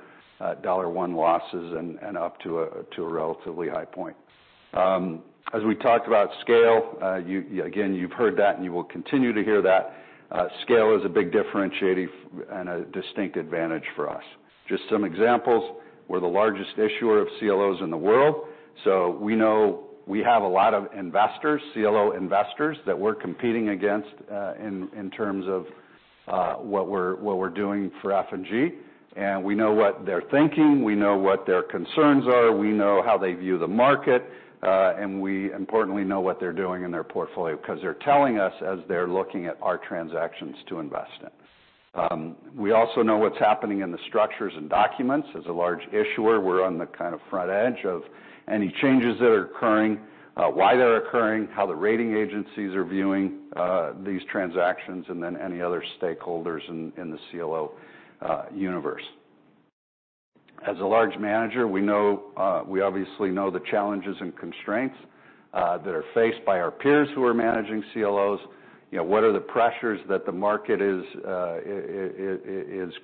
one losses and up to a relatively high point. As we talked about scale, again, you've heard that and you will continue to hear that. Scale is a big differentiating and a distinct advantage for us. Just some examples. We're the largest issuer of CLOs in the world. We know we have a lot of investors, CLO investors that we're competing against in terms of what we're doing for F&G. We know what they're thinking, we know what their concerns are, we know how they view the market, and we importantly know what they're doing in their portfolio, because they're telling us as they're looking at our transactions to invest in. We also know what's happening in the structures and documents. As a large issuer, we're on the front edge of any changes that are occurring, why they're occurring, how the rating agencies are viewing these transactions, and then any other stakeholders in the CLO universe. As a large manager, we obviously know the challenges and constraints that are faced by our peers who are managing CLOs. What are the pressures that the market is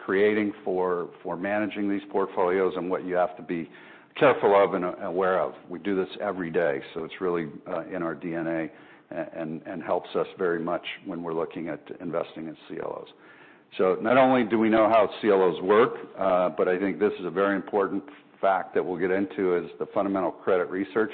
creating for managing these portfolios and what you have to be careful of and aware of. We do this every day, so it's really in our DNA and helps us very much when we're looking at investing in CLOs. Not only do we know how CLOs work, but I think this is a very important fact that we'll get into is the fundamental credit research.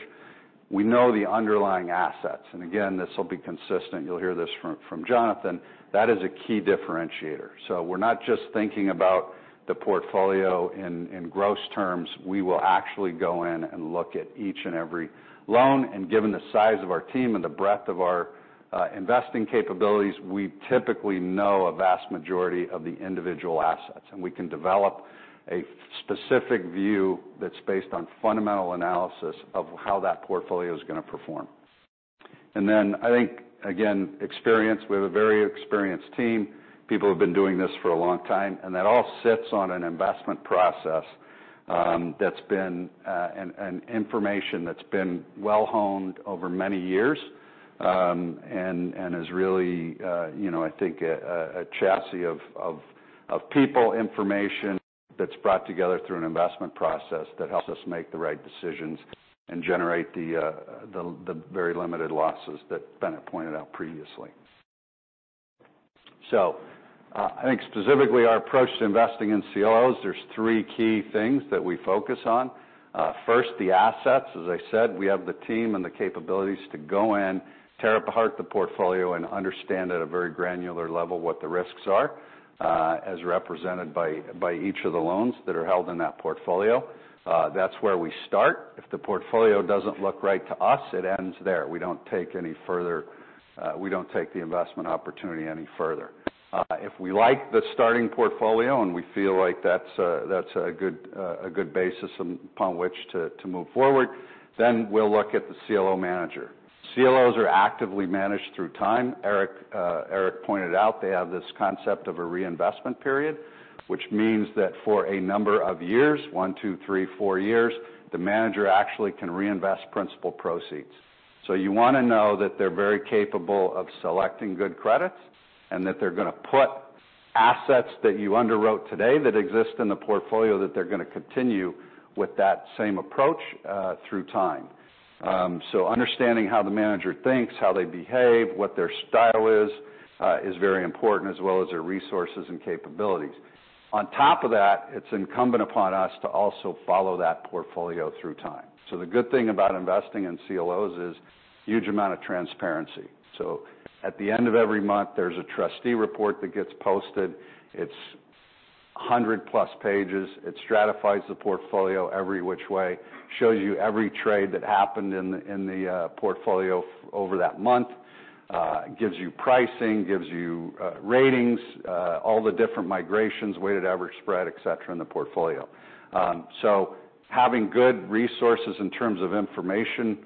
We know the underlying assets. Again, this will be consistent. You'll hear this from Jonathan. That is a key differentiator. We're not just thinking about the portfolio in gross terms. We will actually go in and look at each and every loan. Given the size of our team and the breadth of our investing capabilities, we typically know a vast majority of the individual assets, and we can develop a specific view that's based on fundamental analysis of how that portfolio is going to perform. Then I think, again, experience. We have a very experienced team. People who have been doing this for a long time. That all sits on an investment process and information that's been well-honed over many years, and is really I think a chassis of people, information that's brought together through an investment process that helps us make the right decisions and generate the very limited losses that Bennett pointed out previously. I think specifically our approach to investing in CLOs, there's three key things that we focus on. First, the assets. As I said, we have the team and the capabilities to go in, tear apart the portfolio, and understand at a very granular level what the risks are as represented by each of the loans that are held in that portfolio. That's where we start. If the portfolio doesn't look right to us, it ends there. We don't take the investment opportunity any further. If we like the starting portfolio and we feel like that's a good basis upon which to move forward, we'll look at the CLO manager. CLOs are actively managed through time. Eric pointed out they have this concept of a reinvestment period, which means that for a number of years, one, two, three, four years, the manager actually can reinvest principal proceeds. You want to know that they're very capable of selecting good credits and that they're going to put assets that you underwrote today that exist in the portfolio, that they're going to continue with that same approach through time. Understanding how the manager thinks, how they behave, what their style is very important, as well as their resources and capabilities. On top of that, it's incumbent upon us to also follow that portfolio through time. The good thing about investing in CLOs is huge amount of transparency. At the end of every month, there's a trustee report that gets posted. It's 100-plus pages. It stratifies the portfolio every which way, shows you every trade that happened in the portfolio over that month, gives you pricing, gives you ratings, all the different migrations, weighted average spread, et cetera, in the portfolio. Having good resources in terms of information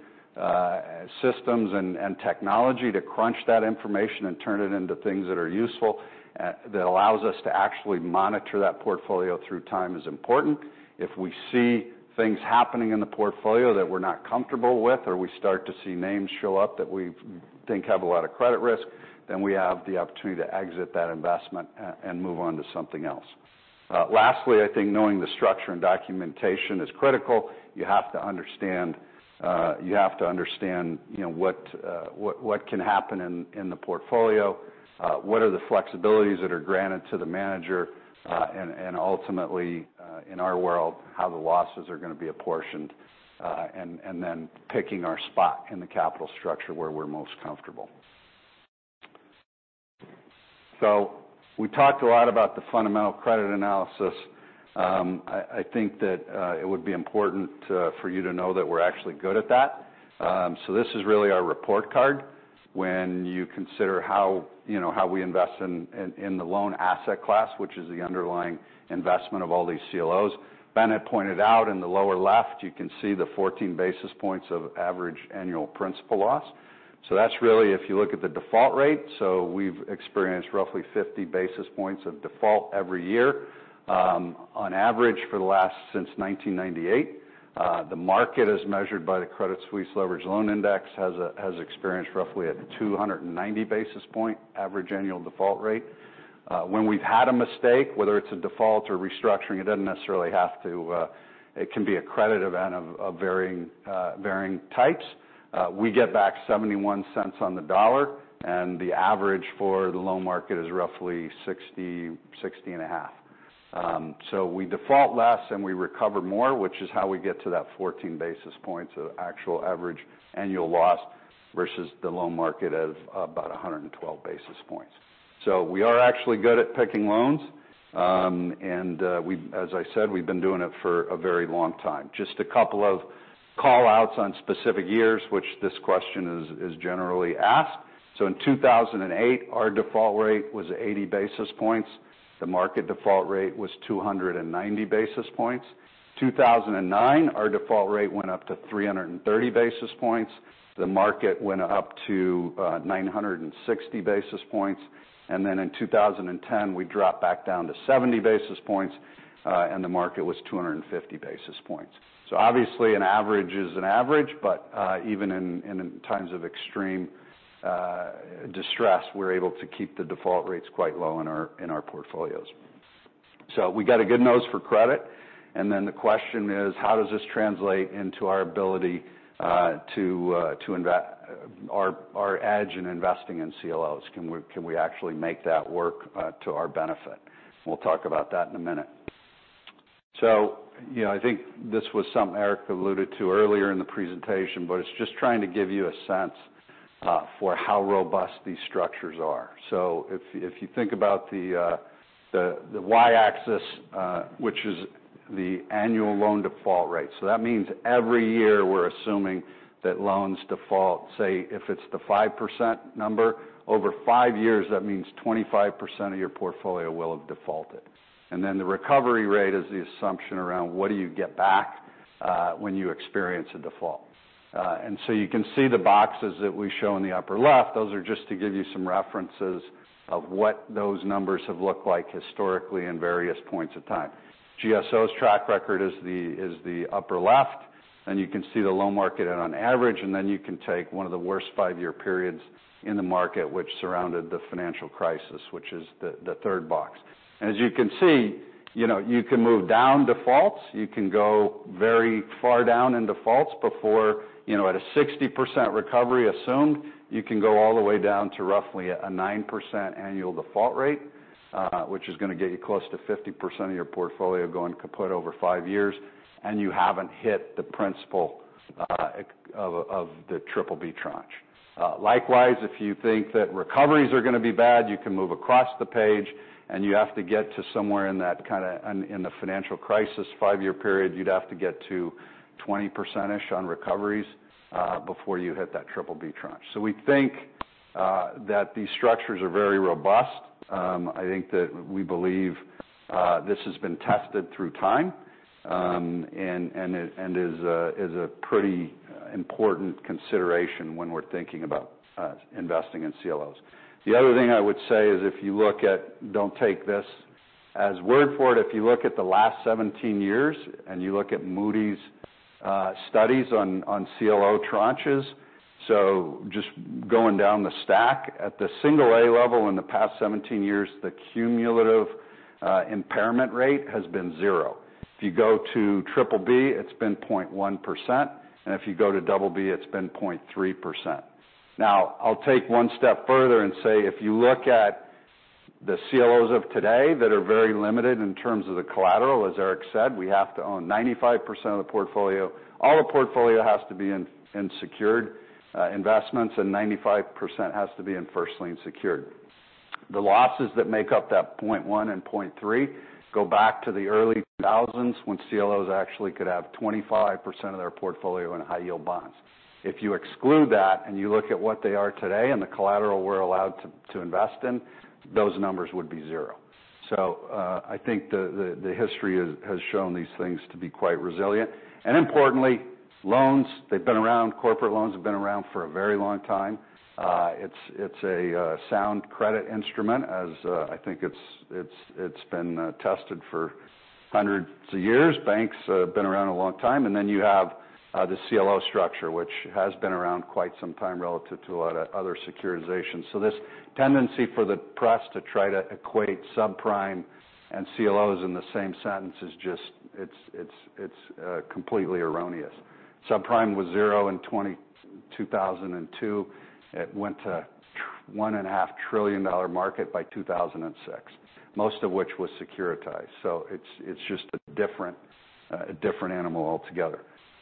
systems and technology to crunch that information and turn it into things that are useful that allows us to actually monitor that portfolio through time is important. If we see things happening in the portfolio that we're not comfortable with or we start to see names show up that we think have a lot of credit risk, we have the opportunity to exit that investment and move on to something else. Lastly, I think knowing the structure and documentation is critical. You have to understand what can happen in the portfolio. What are the flexibilities that are granted to the manager? Ultimately in our world, how the losses are going to be apportioned. Picking our spot in the capital structure where we're most comfortable. We talked a lot about the fundamental credit analysis. I think that it would be important for you to know that we're actually good at that. This is really our report card when you consider how we invest in the loan asset class, which is the underlying investment of all these CLOs. Bennett pointed out in the lower left, you can see the 14 basis points of average annual principal loss. That's really if you look at the default rate. We've experienced roughly 50 basis points of default every year on average since 1998. The market, as measured by the Credit Suisse Leveraged Loan Index, has experienced roughly a 290 basis point average annual default rate. When we've had a mistake, whether it's a default or restructuring, it can be a credit event of varying types. We get back $0.71 on the dollar, and the average for the loan market is roughly $0.605. We default less and we recover more, which is how we get to that 14 basis points of actual average annual loss versus the loan market of about 112 basis points. We are actually good at picking loans. As I said, we've been doing it for a very long time. Just a couple of call-outs on specific years, which this question is generally asked. In 2008, our default rate was 80 basis points. The market default rate was 290 basis points. In 2009, our default rate went up to 330 basis points. The market went up to 960 basis points. In 2010, we dropped back down to 70 basis points, and the market was 250 basis points. Obviously, an average is an average, but even in times of extreme distress, we're able to keep the default rates quite low in our portfolios. We got a good nose for credit. The question is: how does this translate into our edge in investing in CLOs? Can we actually make that work to our benefit? We'll talk about that in a minute. I think this was something Eric Schramm alluded to earlier in the presentation, it's just trying to give you a sense for how robust these structures are. If you think about the y-axis, which is the annual loan default rate. That means every year we're assuming that loans default, say, if it's the 5% number, over 5 years, that means 25% of your portfolio will have defaulted. Then the recovery rate is the assumption around what do you get back when you experience a default. You can see the boxes that we show in the upper left, those are just to give you some references of what those numbers have looked like historically in various points of time. GSO's track record is the upper left. You can see the loan market on average, then you can take one of the worst 5-year periods in the market, which surrounded the financial crisis, which is the third box. As you can see, you can move down defaults. You can go very far down in defaults before at a 60% recovery assumed, you can go all the way down to roughly a 9% annual default rate, which is going to get you close to 50% of your portfolio going kaput over 5 years, and you haven't hit the principal of the BBB tranche. Likewise, if you think that recoveries are going to be bad, you can move across the page, and you have to get to somewhere in the financial crisis 5-year period. You'd have to get to 20%-ish on recoveries before you hit that BBB tranche. We think that these structures are very robust. I think we believe this has been tested through time, and is a pretty important consideration when we're thinking about investing in CLOs. Don't take this as word for it. If you look at the last 17 years, and you look at Moody's studies on CLO tranches. Just going down the stack at the single A level in the past 17 years, the cumulative impairment rate has been 0. If you go to BBB, it's been 0.1%, and if you go to BB, it's been 0.3%. I'll take one step further and say, if you look at the CLOs of today that are very limited in terms of the collateral, as Eric Schramm said, we have to own 95% of the portfolio. All the portfolio has to be in secured investments, and 95% has to be in first lien secured. The losses that make up that 0.1 and 0.3 go back to the early 2000s when CLOs actually could have 25% of their portfolio in high-yield bonds. If you exclude that and you look at what they are today and the collateral we're allowed to invest in, those numbers would be 0. I think the history has shown these things to be quite resilient. Importantly, loans, corporate loans have been around for a very long time. It's a sound credit instrument as I think it's been tested for hundreds of years. Banks have been around a long time. Then you have the CLO structure, which has been around quite some time relative to a lot of other securitizations. This tendency for the press to try to equate subprime and CLOs in the same sentence it's completely erroneous. Subprime was 0 in 2002. It went to $1.5 trillion market by 2006, most of which was securitized. It's just a different animal altogether.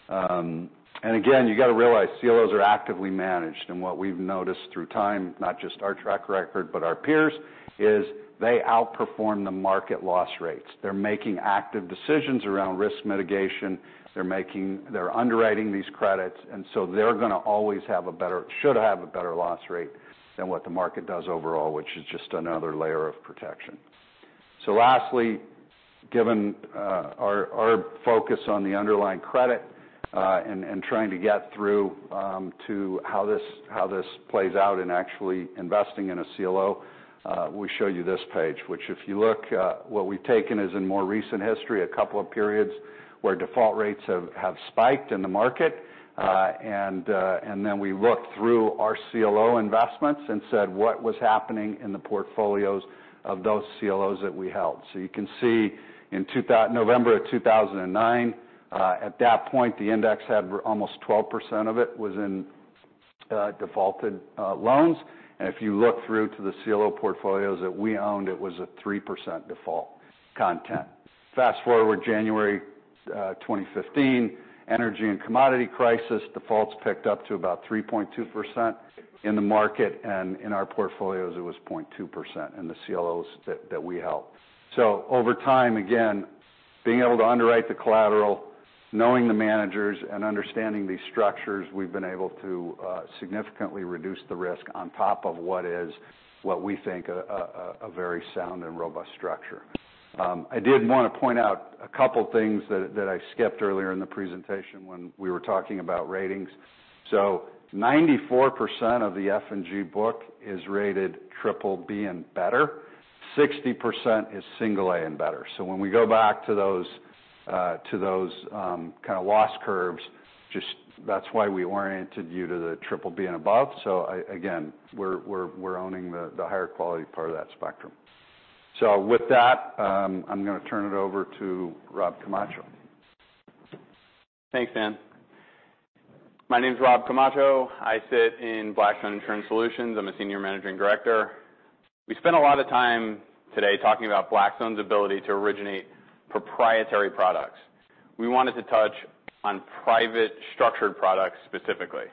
Again, you got to realize CLOs are actively managed, and what we've noticed through time, not just our track record but our peers, is they outperform the market loss rates. They're making active decisions around risk mitigation. They're underwriting these credits, and they're going to always should have a better loss rate than what the market does overall, which is just another layer of protection. Lastly, given our focus on the underlying credit, and trying to get through to how this plays out in actually investing in a CLO, we show you this page. Which if you look, what we've taken is in more recent history, a couple of periods where default rates have spiked in the market. Then we looked through our CLO investments and said what was happening in the portfolios of those CLOs that we held. You can see in November of 2009, at that point, the index had almost 12% of it was in defaulted loans. And if you look through to the CLO portfolios that we owned, it was a 3% default content. Fast-forward January 2015, energy and commodity crisis, defaults picked up to about 3.2% in the market, and in our portfolios, it was 0.2% in the CLOs that we held. Over time, again, being able to underwrite the collateral, knowing the managers, and understanding these structures, we've been able to significantly reduce the risk on top of what is, what we think, a very sound and robust structure. I did want to point out a couple things that I skipped earlier in the presentation when we were talking about ratings. 94% of the F&G book is rated BBB and better. 60% is A and better. When we go back to those kind of loss curves, that's why we oriented you to the BBB and above. Again, we're owning the higher quality part of that spectrum. With that, I'm going to turn it over to Rob Camacho. Thanks, Dan. My name's Rob Camacho. I sit in Blackstone Insurance Solutions. I'm a senior managing director. We spent a lot of time today talking about Blackstone's ability to originate proprietary products. We wanted to touch on private structured products specifically.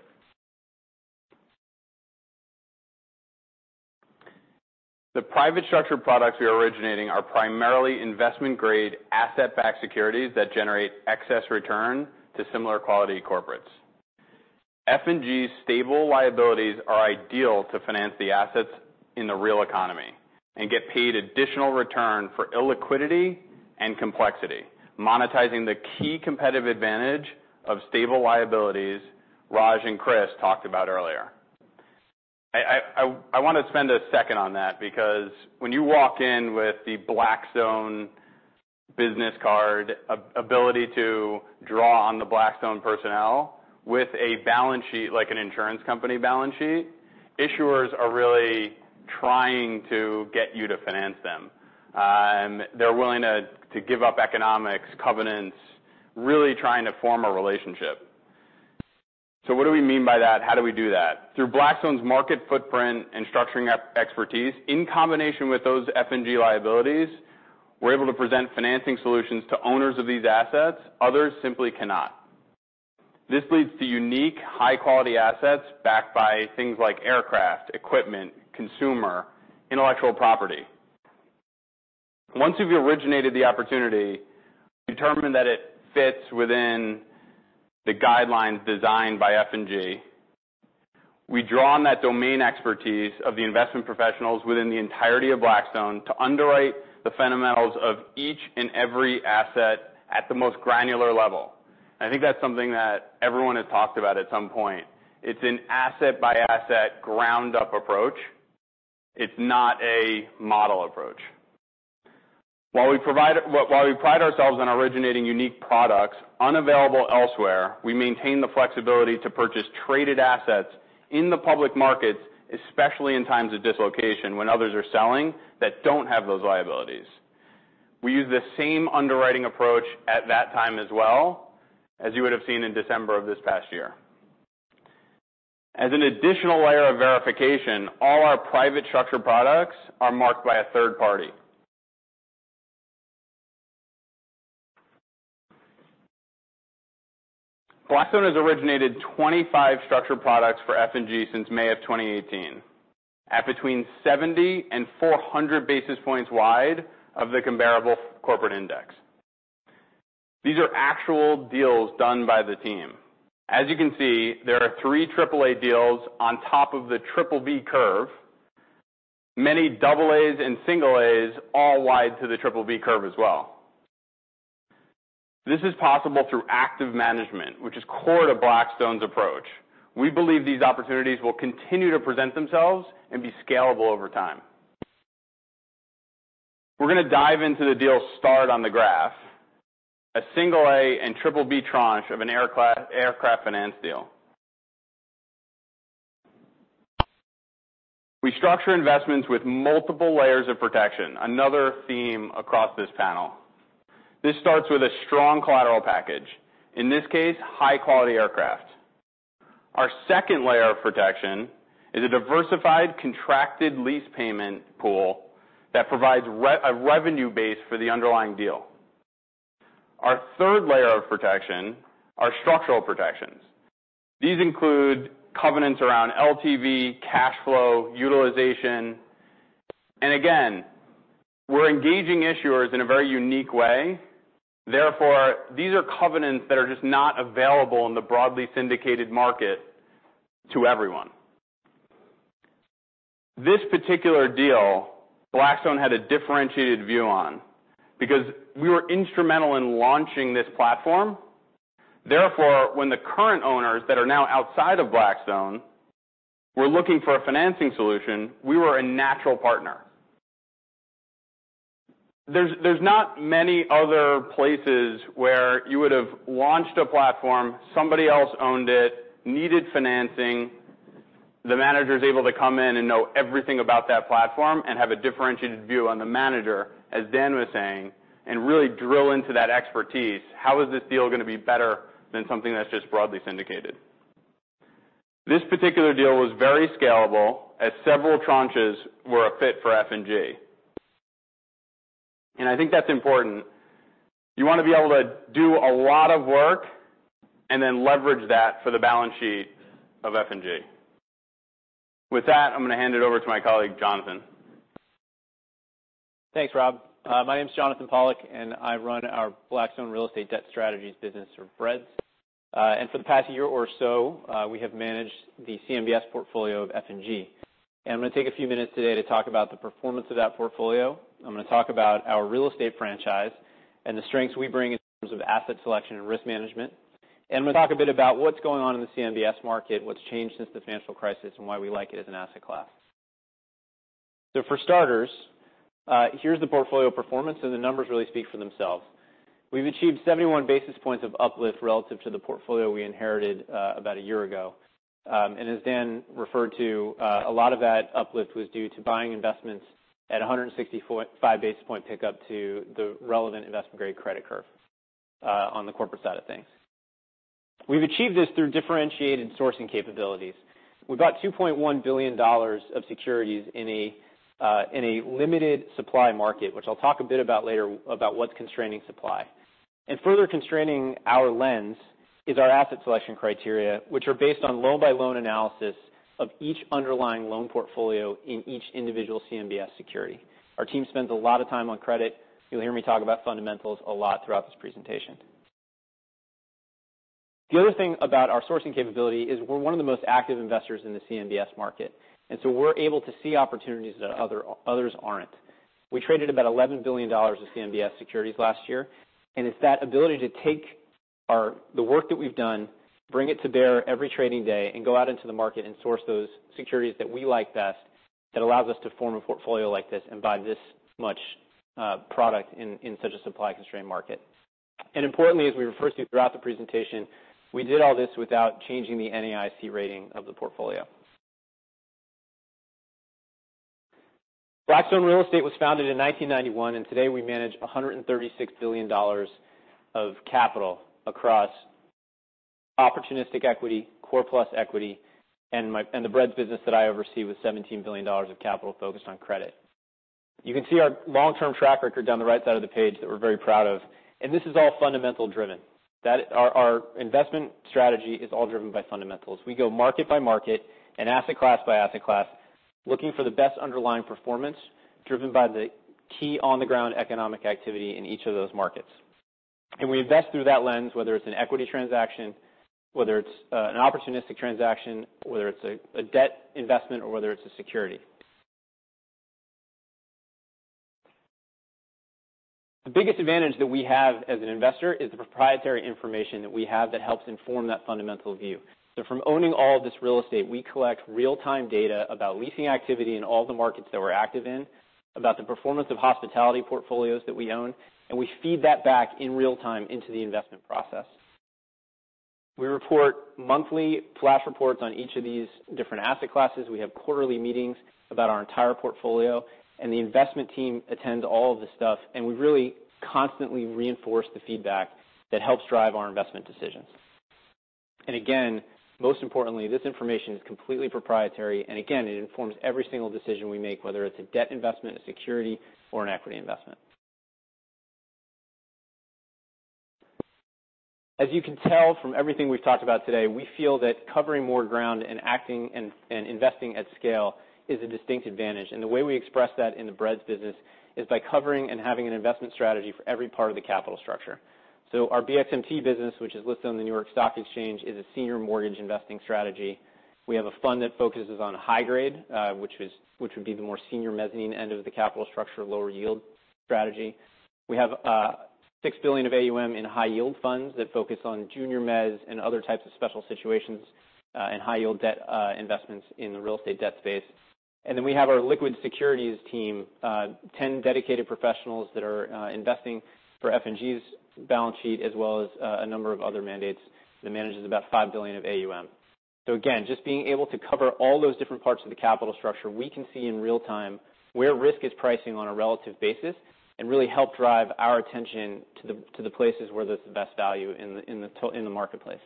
The private structured products we are originating are primarily investment-grade, asset-backed securities that generate excess return to similar quality corporates. F&G's stable liabilities are ideal to finance the assets in the real economy and get paid additional return for illiquidity and complexity, monetizing the key competitive advantage of stable liabilities Raj and Chris talked about earlier. I want to spend a second on that because when you walk in with the Blackstone business card, ability to draw on the Blackstone personnel with a balance sheet like an insurance company balance sheet, issuers are really trying to get you to finance them. They're willing to give up economics, covenants, really trying to form a relationship. What do we mean by that? How do we do that? Through Blackstone's market footprint and structuring expertise, in combination with those F&G liabilities, we're able to present financing solutions to owners of these assets others simply cannot. This leads to unique, high-quality assets backed by things like aircraft, equipment, consumer, intellectual property. Once we've originated the opportunity, determined that it fits within the guidelines designed by F&G, we draw on that domain expertise of the investment professionals within the entirety of Blackstone to underwrite the fundamentals of each and every asset at the most granular level. I think that's something that everyone has talked about at some point. It's an asset-by-asset, ground-up approach. It's not a model approach. While we pride ourselves on originating unique products unavailable elsewhere, we maintain the flexibility to purchase traded assets in the public markets, especially in times of dislocation when others are selling that don't have those liabilities. We use the same underwriting approach at that time as well, as you would've seen in December of this past year. As an additional layer of verification, all our private structured products are marked by a third party. Blackstone has originated 25 structured products for F&G since May of 2018 at between 70 and 400 basis points wide of the comparable corporate index. These are actual deals done by the team. As you can see, there are three AAA deals on top of the BBB curve. Many AAs and As all wide to the BBB curve as well. This is possible through active management, which is core to Blackstone's approach. We believe these opportunities will continue to present themselves and be scalable over time. We're going to dive into the deal starred on the graph, a A and BBB tranche of an aircraft finance deal. We structure investments with multiple layers of protection, another theme across this panel. This starts with a strong collateral package, in this case, high-quality aircraft. Our second layer of protection is a diversified contracted lease payment pool that provides a revenue base for the underlying deal. Our third layer of protection are structural protections. These include covenants around LTV, cash flow, utilization, and again, we're engaging issuers in a very unique way. These are covenants that are just not available in the broadly syndicated market to everyone. This particular deal, Blackstone had a differentiated view on because we were instrumental in launching this platform. When the current owners that are now outside of Blackstone were looking for a financing solution, we were a natural partner. There's not many other places where you would've launched a platform, somebody else owned it, needed financing, the manager's able to come in and know everything about that platform and have a differentiated view on the manager, as Dan was saying, and really drill into that expertise. How is this deal going to be better than something that is just broadly syndicated? This particular deal was very scalable, as several tranches were a fit for F&G. I think that's important. You want to be able to do a lot of work and then leverage that for the balance sheet of F&G. With that, I'm going to hand it over to my colleague, Jonathan. Thanks, Rob. My name is Jonathan Pollack, I run our Blackstone Real Estate Debt Strategies business, or BREDS. For the past year or so, we have managed the CMBS portfolio of F&G. I'm going to take a few minutes today to talk about the performance of that portfolio. I'm going to talk about our real estate franchise and the strengths we bring in terms of asset selection and risk management. I'm going to talk a bit about what's going on in the CMBS market, what's changed since the financial crisis, and why we like it as an asset class. For starters, here's the portfolio performance. The numbers really speak for themselves. We've achieved 71 basis points of uplift relative to the portfolio we inherited about a year ago. As Dan referred to, a lot of that uplift was due to buying investments at 165-basis-point pickup to the relevant investment-grade credit curve on the corporate side of things. We've achieved this through differentiated sourcing capabilities. We bought $2.1 billion of securities in a limited supply market, which I'll talk a bit about later about what's constraining supply. Further constraining our lens is our asset selection criteria, which are based on loan-by-loan analysis of each underlying loan portfolio in each individual CMBS security. Our team spends a lot of time on credit. You'll hear me talk about fundamentals a lot throughout this presentation. The other thing about our sourcing capability is we're one of the most active investors in the CMBS market, so we're able to see opportunities that others aren't. We traded about $11 billion of CMBS securities last year, it's that ability to take the work that we've done, bring it to bear every trading day, go out into the market and source those securities that we like best that allows us to form a portfolio like this buy this much product in such a supply-constrained market. Importantly, as we refer to throughout the presentation, we did all this without changing the NAIC rating of the portfolio. Blackstone Real Estate was founded in 1991. Today we manage $136 billion of capital across opportunistic equity, core plus equity, the BREDS business that I oversee, with $17 billion of capital focused on credit. You can see our long-term track record down the right side of the page that we're very proud of. This is all fundamental-driven. Our investment strategy is all driven by fundamentals. We go market by market asset class by asset class, looking for the best underlying performance driven by the key on-the-ground economic activity in each of those markets. We invest through that lens, whether it's an equity transaction, whether it's an opportunistic transaction, whether it's a debt investment, or whether it's a security. The biggest advantage that we have as an investor is the proprietary information that we have that helps inform that fundamental view. From owning all of this real estate, we collect real-time data about leasing activity in all the markets that we're active in, about the performance of hospitality portfolios that we own, we feed that back in real time into the investment process. We report monthly flash reports on each of these different asset classes. We have quarterly meetings about our entire portfolio, and the investment team attends all of this stuff, and we really constantly reinforce the feedback that helps drive our investment decisions. Again, most importantly, this information is completely proprietary. Again, it informs every single decision we make, whether it's a debt investment, a security, or an equity investment. As you can tell from everything we've talked about today, we feel that covering more ground and acting and investing at scale is a distinct advantage. The way we express that in the BREDS business is by covering and having an investment strategy for every part of the capital structure. Our BXMT business, which is listed on the New York Stock Exchange, is a senior mortgage investing strategy. We have a fund that focuses on high grade, which would be the more senior mezzanine end of the capital structure, lower yield strategy. We have $6 billion of AUM in high-yield funds that focus on junior mezz, and other types of special situations, and high-yield debt investments in the real estate debt space. We have our liquid securities team, 10 dedicated professionals that are investing for F&G's balance sheet as well as a number of other mandates that manages about $5 billion of AUM. Again, just being able to cover all those different parts of the capital structure, we can see in real time where risk is pricing on a relative basis and really help drive our attention to the places where there's the best value in the marketplace.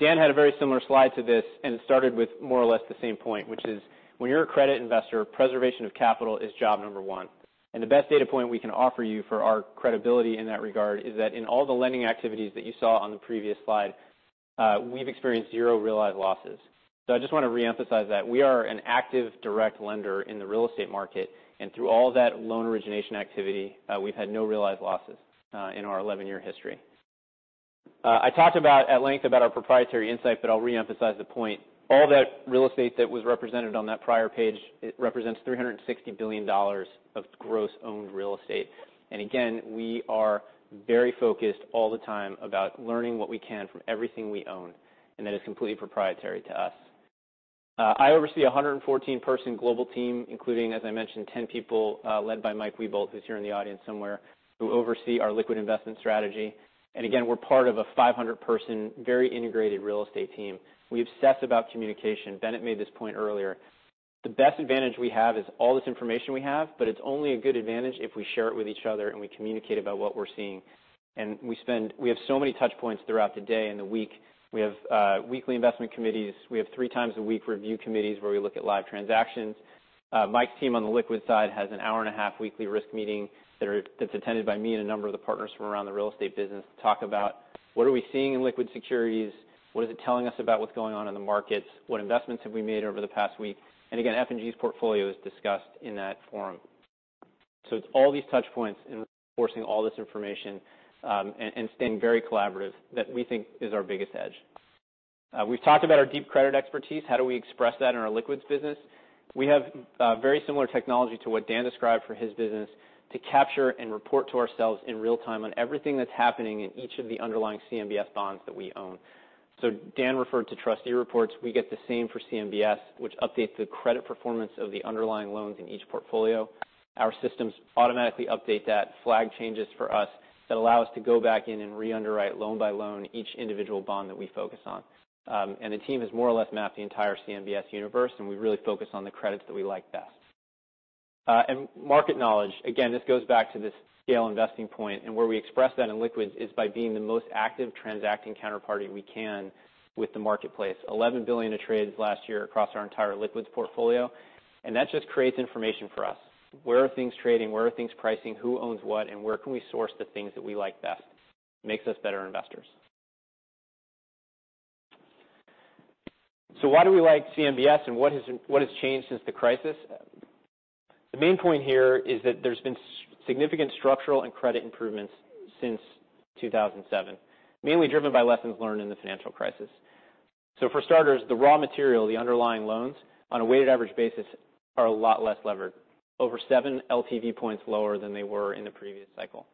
Dan had a very similar slide to this, and it started with more or less the same point, which is when you're a credit investor, preservation of capital is job number one. The best data point we can offer you for our credibility in that regard is that in all the lending activities that you saw on the previous slide, we've experienced zero realized losses. So I just want to reemphasize that we are an active direct lender in the real estate market, and through all that loan origination activity, we've had no realized losses in our 11-year history. I talked at length about our proprietary insight, but I'll reemphasize the point. All that real estate that was represented on that prior page, it represents $360 billion of gross owned real estate. Again, we are very focused all the time about learning what we can from everything we own, and that is completely proprietary to us. I oversee a 114-person global team, including, as I mentioned, 10 people led by Mike Wiebolt, who's here in the audience somewhere, who oversee our liquid investment strategy. Again, we're part of a 500-person, very integrated real estate team. We obsess about communication. Bennett made this point earlier. The best advantage we have is all this information we have, but it's only a good advantage if we share it with each other and we communicate about what we're seeing. We have so many touch points throughout the day and the week. We have weekly investment committees. We have three-times-a-week review committees where we look at live transactions. Mike's team on the liquid side has an hour-and-a-half weekly risk meeting that's attended by me and a number of the partners from around the real estate business to talk about what are we seeing in liquid securities, what is it telling us about what's going on in the markets, what investments have we made over the past week, and again, F&G's portfolio is discussed in that forum. It's all these touch points and we're sourcing all this information, and staying very collaborative that we think is our biggest edge. We've talked about our deep credit expertise. How do we express that in our liquids business? We have very similar technology to what Dan described for his business to capture and report to ourselves in real time on everything that's happening in each of the underlying CMBS bonds that we own. Dan referred to trustee reports. We get the same for CMBS, which updates the credit performance of the underlying loans in each portfolio. Our systems automatically update that, flag changes for us that allow us to go back in and re-underwrite loan by loan each individual bond that we focus on. The team has more or less mapped the entire CMBS universe, and we really focus on the credits that we like best. Market knowledge, again, this goes back to this scale investing point, and where we express that in liquids is by being the most active transacting counterparty we can with the marketplace. $11 billion of trades last year across our entire liquids portfolio. That just creates information for us. Where are things trading, where are things pricing, who owns what, and where can we source the things that we like best? Makes us better investors. Why do we like CMBS and what has changed since the crisis? The main point here is that there's been significant structural and credit improvements since 2007, mainly driven by lessons learned in the financial crisis. For starters, the raw material, the underlying loans, on a weighted average basis, are a lot less levered, over 7 LTV points lower than they were in the previous cycle.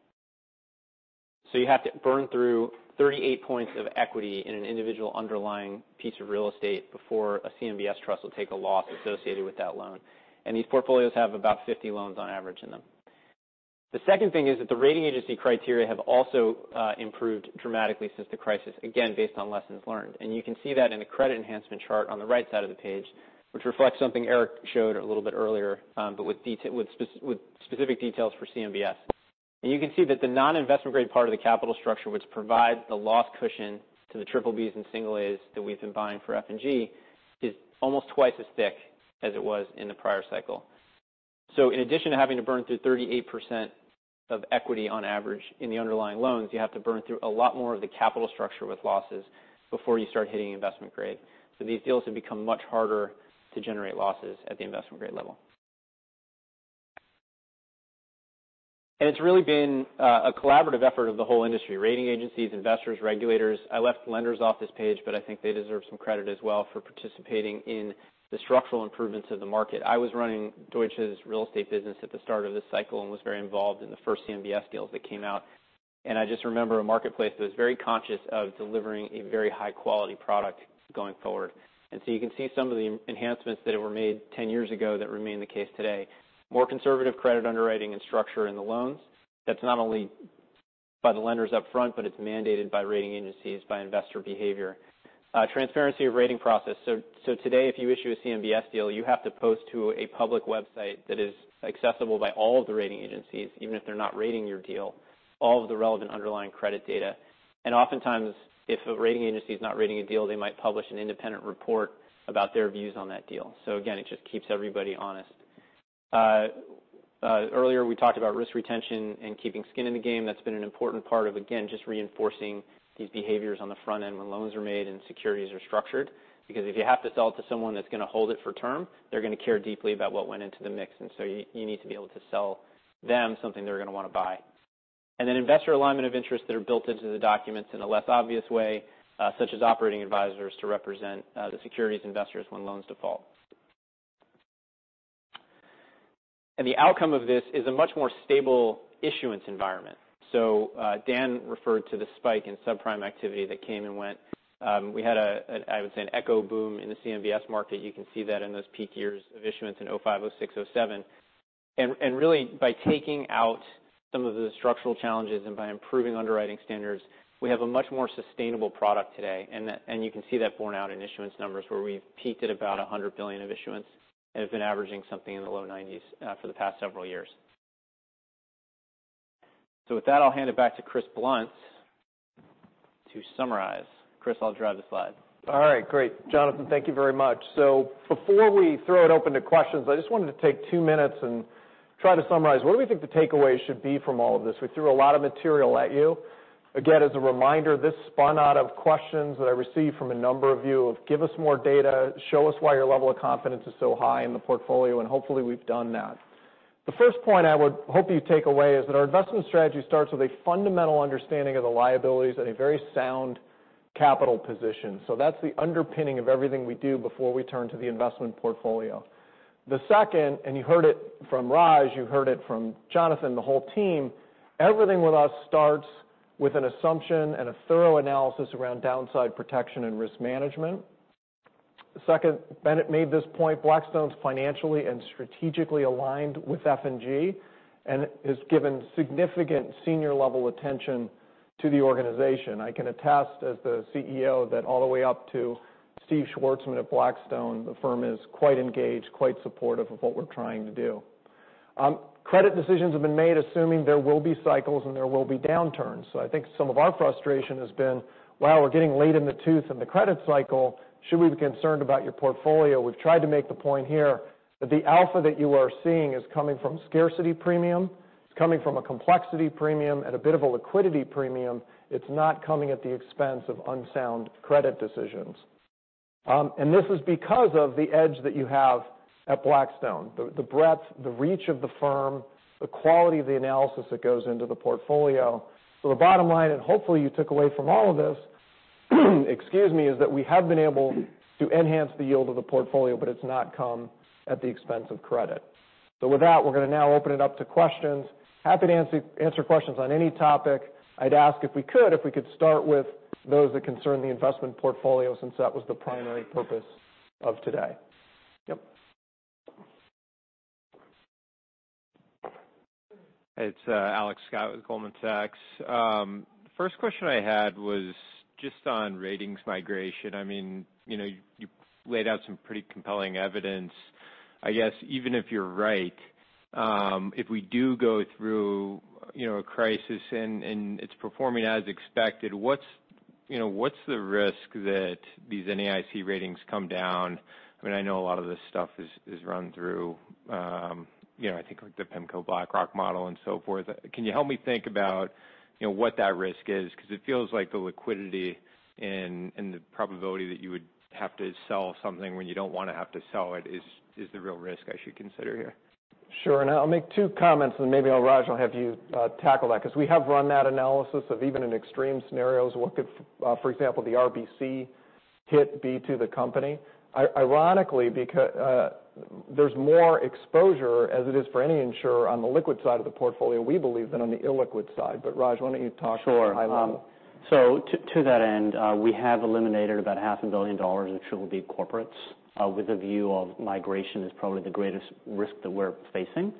You have to burn through 38 points of equity in an individual underlying piece of real estate before a CMBS trust will take a loss associated with that loan. These portfolios have about 50 loans on average in them. The second thing is that the rating agency criteria have also improved dramatically since the crisis, again, based on lessons learned. You can see that in the credit enhancement chart on the right side of the page, which reflects something Eric showed a little bit earlier, but with specific details for CMBS. You can see that the non-investment-grade part of the capital structure, which provides the loss cushion to the triple Bs and single As that we've been buying for F&G, is almost twice as thick as it was in the prior cycle. In addition to having to burn through 38% of equity on average in the underlying loans, you have to burn through a lot more of the capital structure with losses before you start hitting investment grade. It's really been a collaborative effort of the whole industry, rating agencies, investors, regulators. I left lenders off this page, but I think they deserve some credit as well for participating in the structural improvements of the market. I was running Deutsche's real estate business at the start of this cycle and was very involved in the first CMBS deals that came out. I just remember a marketplace that was very conscious of delivering a very high-quality product going forward. You can see some of the enhancements that were made 10 years ago that remain the case today. More conservative credit underwriting and structure in the loans. That's not only by the lenders up front, but it's mandated by rating agencies, by investor behavior. Transparency of rating process. Today, if you issue a CMBS deal, you have to post to a public website that is accessible by all of the rating agencies, even if they're not rating your deal, all of the relevant underlying credit data. Oftentimes, if a rating agency is not rating a deal, they might publish an independent report about their views on that deal. Again, it just keeps everybody honest. Earlier, we talked about risk retention and keeping skin in the game. That's been an important part of, again, just reinforcing these behaviors on the front end when loans are made and securities are structured. Because if you have to sell it to someone that's going to hold it for term, they're going to care deeply about what went into the mix, and so you need to be able to sell them something they're going to want to buy. Then investor alignment of interests that are built into the documents in a less obvious way, such as operating advisors to represent the securities investors when loans default. The outcome of this is a much more stable issuance environment. Dan referred to the spike in subprime activity that came and went. We had, I would say, an echo boom in the CMBS market. You can see that in those peak years of issuance in 2005, 2006, 2007. Really by taking out some of the structural challenges and by improving underwriting standards, we have a much more sustainable product today. You can see that borne out in issuance numbers where we've peaked at about $100 billion of issuance and have been averaging something in the low 90s for the past several years. With that, I'll hand it back to Chris Blunt to summarize. Chris, I'll drive the slide. All right. Great. Jonathan, thank you very much. Before we throw it open to questions, I just wanted to take 2 minutes and try to summarize what do we think the takeaway should be from all of this. We threw a lot of material at you. Again, as a reminder, this spun out of questions that I received from a number of you of give us more data, show us why your level of confidence is so high in the portfolio, and hopefully, we've done that. The first point I would hope you take away is that our investment strategy starts with a fundamental understanding of the liabilities and a very sound capital position. That's the underpinning of everything we do before we turn to the investment portfolio. The second, you heard it from Raj, you heard it from Jonathan, the whole team, everything with us starts with an assumption and a thorough analysis around downside protection and risk management. Second, Bennett made this point. Blackstone's financially and strategically aligned with F&G and has given significant senior-level attention to the organization. I can attest as the CEO that all the way up to Stephen Schwarzman at Blackstone, the firm is quite engaged, quite supportive of what we're trying to do. Credit decisions have been made assuming there will be cycles and there will be downturns. I think some of our frustration has been, wow, we're getting late in the tooth in the credit cycle. Should we be concerned about your portfolio? We've tried to make the point here that the alpha that you are seeing is coming from scarcity premium. It's coming from a complexity premium and a bit of a liquidity premium. It's not coming at the expense of unsound credit decisions. This is because of the edge that you have at Blackstone, the breadth, the reach of the firm, the quality of the analysis that goes into the portfolio. The bottom line, and hopefully you took away from all of this, is that we have been able to enhance the yield of the portfolio, but it's not come at the expense of credit. With that, we're going to now open it up to questions. Happy to answer questions on any topic. I'd ask if we could start with those that concern the investment portfolio, since that was the primary purpose of today. Yep. It's Alex Scott with Goldman Sachs. First question I had was just on ratings migration. You laid out some pretty compelling evidence. I guess even if you're right, if we do go through a crisis and it's performing as expected, what's the risk that these NAIC ratings come down? I know a lot of this stuff is run through, I think like the PIMCO and BlackRock model and so forth. Can you help me think about what that risk is? Because it feels like the liquidity and the probability that you would have to sell something when you don't want to have to sell it is the real risk I should consider here. Sure. I'll make two comments, and maybe, Raj, I'll have you tackle that, because we have run that analysis of even in extreme scenarios, what could, for example, the RBC hit be to the company? Ironically, there's more exposure as it is for any insurer on the liquid side of the portfolio, we believe, than on the illiquid side. Raj, why don't you talk high level? Sure. To that end, we have eliminated about half a billion dollars in BBB corporates with a view of migration as probably the greatest risk that we're facing.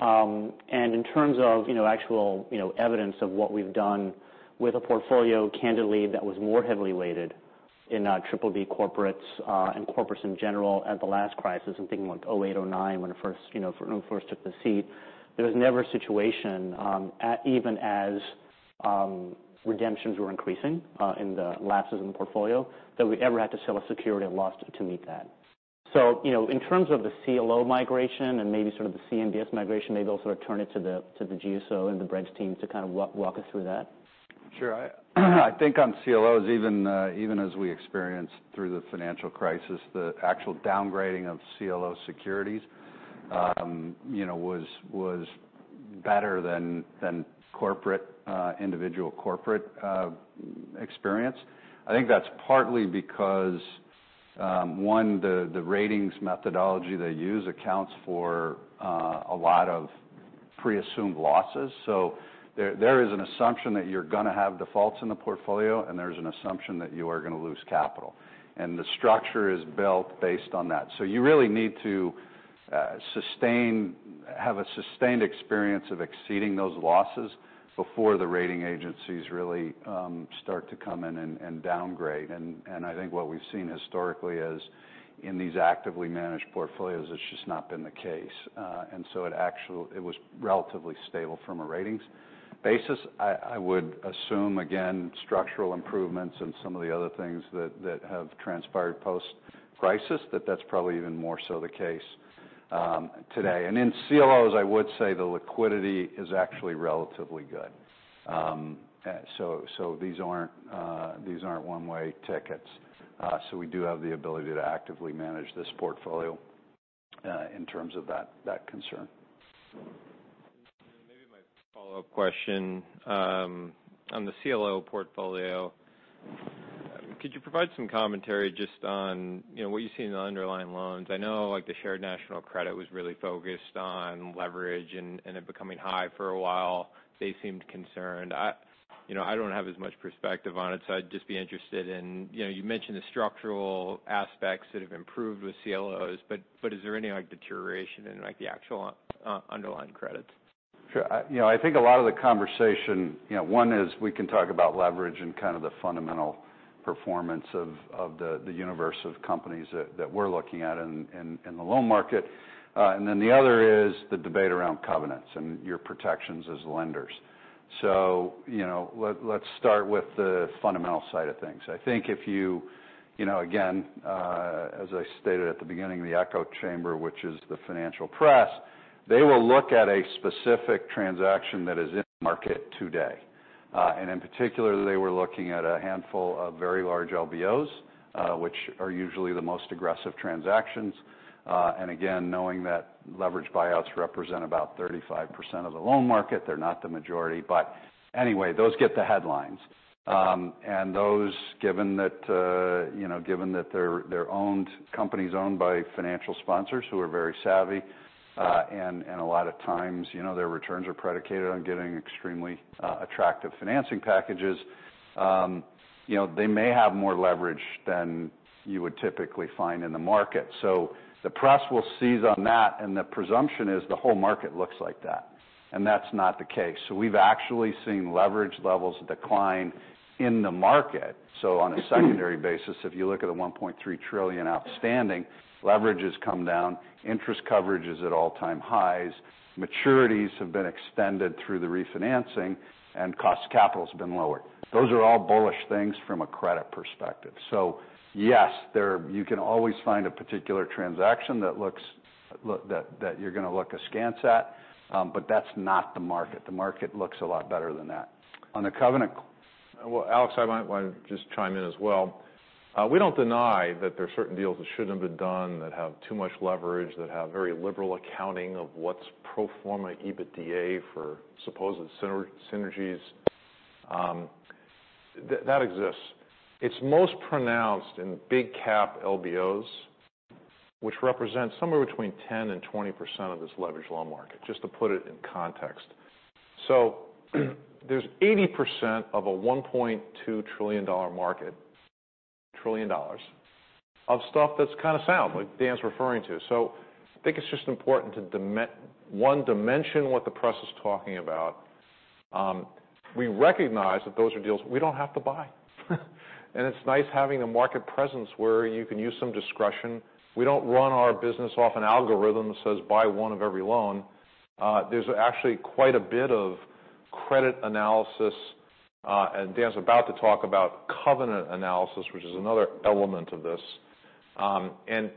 In terms of actual evidence of what we've done with a portfolio, candidly, that was more heavily weighted in BBB corporates and corporates in general at the last crisis. I'm thinking like 2008, 2009, when I first took the seat. There was never a situation, even as redemptions were increasing in the lapses in the portfolio, that we ever had to sell a security at a loss to meet that. In terms of the CLO migration and maybe sort of the CMBS migration, maybe I'll sort of turn it to the GSO and the BREDS teams to kind of walk us through that. Sure. I think on CLOs, even as we experienced through the financial crisis, the actual downgrading of CLO securities was better than individual corporate experience. I think that's partly because one, the ratings methodology they use accounts for a lot of pre-assumed losses. There is an assumption that you're going to have defaults in the portfolio, and there's an assumption that you are going to lose capital. The structure is built based on that. You really need to have a sustained experience of exceeding those losses before the rating agencies really start to come in and downgrade. I think what we've seen historically is in these actively managed portfolios, it's just not been the case. It was relatively stable from a ratings basis. I would assume, again, structural improvements and some of the other things that have transpired post-crisis, that that's probably even more so the case today. In CLOs, I would say the liquidity is actually relatively good. These aren't one-way tickets. We do have the ability to actively manage this portfolio in terms of that concern. Maybe my follow-up question. On the CLO portfolio, could you provide some commentary just on what you see in the underlying loans? I know like the Shared National Credit Program was really focused on leverage and it becoming high for a while. They seemed concerned. I don't have as much perspective on it, so I'd just be interested in, you mentioned the structural aspects that have improved with CLOs, but is there any deterioration in the actual underlying credits? Sure. I think a lot of the conversation, one is we can talk about leverage and kind of the fundamental performance of the universe of companies that we're looking at in the loan market. The other is the debate around covenants and your protections as lenders. Let's start with the fundamental side of things. I think if you, again, as I stated at the beginning, the echo chamber, which is the financial press, they will look at a specific transaction that is in market today. In particular, they were looking at a handful of very large LBOs, which are usually the most aggressive transactions. Again, knowing that leverage buyouts represent about 35% of the loan market, they're not the majority. Anyway, those get the headlines. Those, given that they're companies owned by financial sponsors who are very savvy, and a lot of times their returns are predicated on getting extremely attractive financing packages. They may have more leverage than you would typically find in the market. The press will seize on that, and the presumption is the whole market looks like that. That's not the case. We've actually seen leverage levels decline in the market. On a secondary basis, if you look at the $1.3 trillion outstanding, leverage has come down, interest coverage is at all-time highs, maturities have been extended through the refinancing, and cost capital has been lowered. Those are all bullish things from a credit perspective. Yes, you can always find a particular transaction that looks that you're going to look askance at, but that's not the market. The market looks a lot better than that. On the covenant- Well, Alex, I might want to just chime in as well. We don't deny that there's certain deals that shouldn't have been done, that have too much leverage, that have very liberal accounting of what's pro forma EBITDA for supposed synergies. That exists. It's most pronounced in big cap LBOs, which represents somewhere between 10% and 20% of this leveraged loan market, just to put it in context. There's 80% of a $1.2 trillion market, trillion dollars, of stuff that's kind of sound, like Dan's referring to. I think it's just important to, one, dimension what the press is talking about. We recognize that those are deals we don't have to buy. It's nice having a market presence where you can use some discretion. We don't run our business off an algorithm that says buy one of every loan. There's actually quite a bit of credit analysis, and Dan's about to talk about covenant analysis, which is another element of this.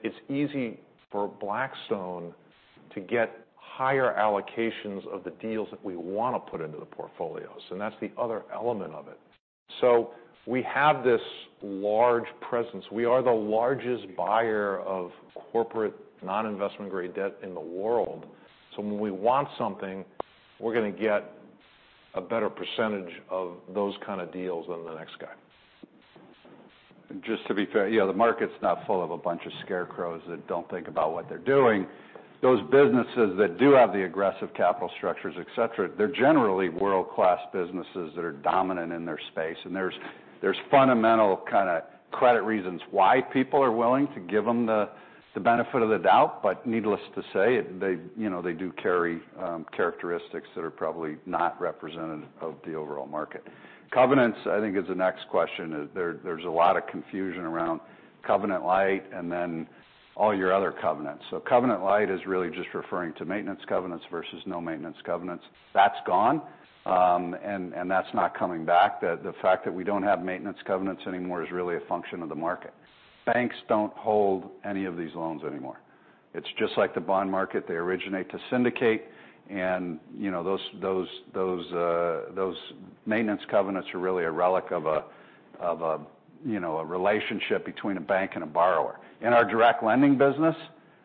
It's easy for Blackstone to get higher allocations of the deals that we want to put into the portfolios, and that's the other element of it. We have this large presence. We are the largest buyer of corporate non-investment grade debt in the world. When we want something, we're going to get a better percentage of those kind of deals than the next guy. Just to be fair, the market's not full of a bunch of scarecrows that don't think about what they're doing. Those businesses that do have the aggressive capital structures, et cetera, they're generally world-class businesses that are dominant in their space. There's fundamental credit reasons why people are willing to give them the benefit of the doubt. Needless to say, they do carry characteristics that are probably not representative of the overall market. Covenants, I think, is the next question. There's a lot of confusion around covenant light and then all your other covenants. Covenant light is really just referring to maintenance covenants versus no maintenance covenants. That's gone, and that's not coming back. The fact that we don't have maintenance covenants anymore is really a function of the market. Banks don't hold any of these loans anymore. It's just like the bond market. They originate to syndicate, and those maintenance covenants are really a relic of a relationship between a bank and a borrower. In our direct lending business,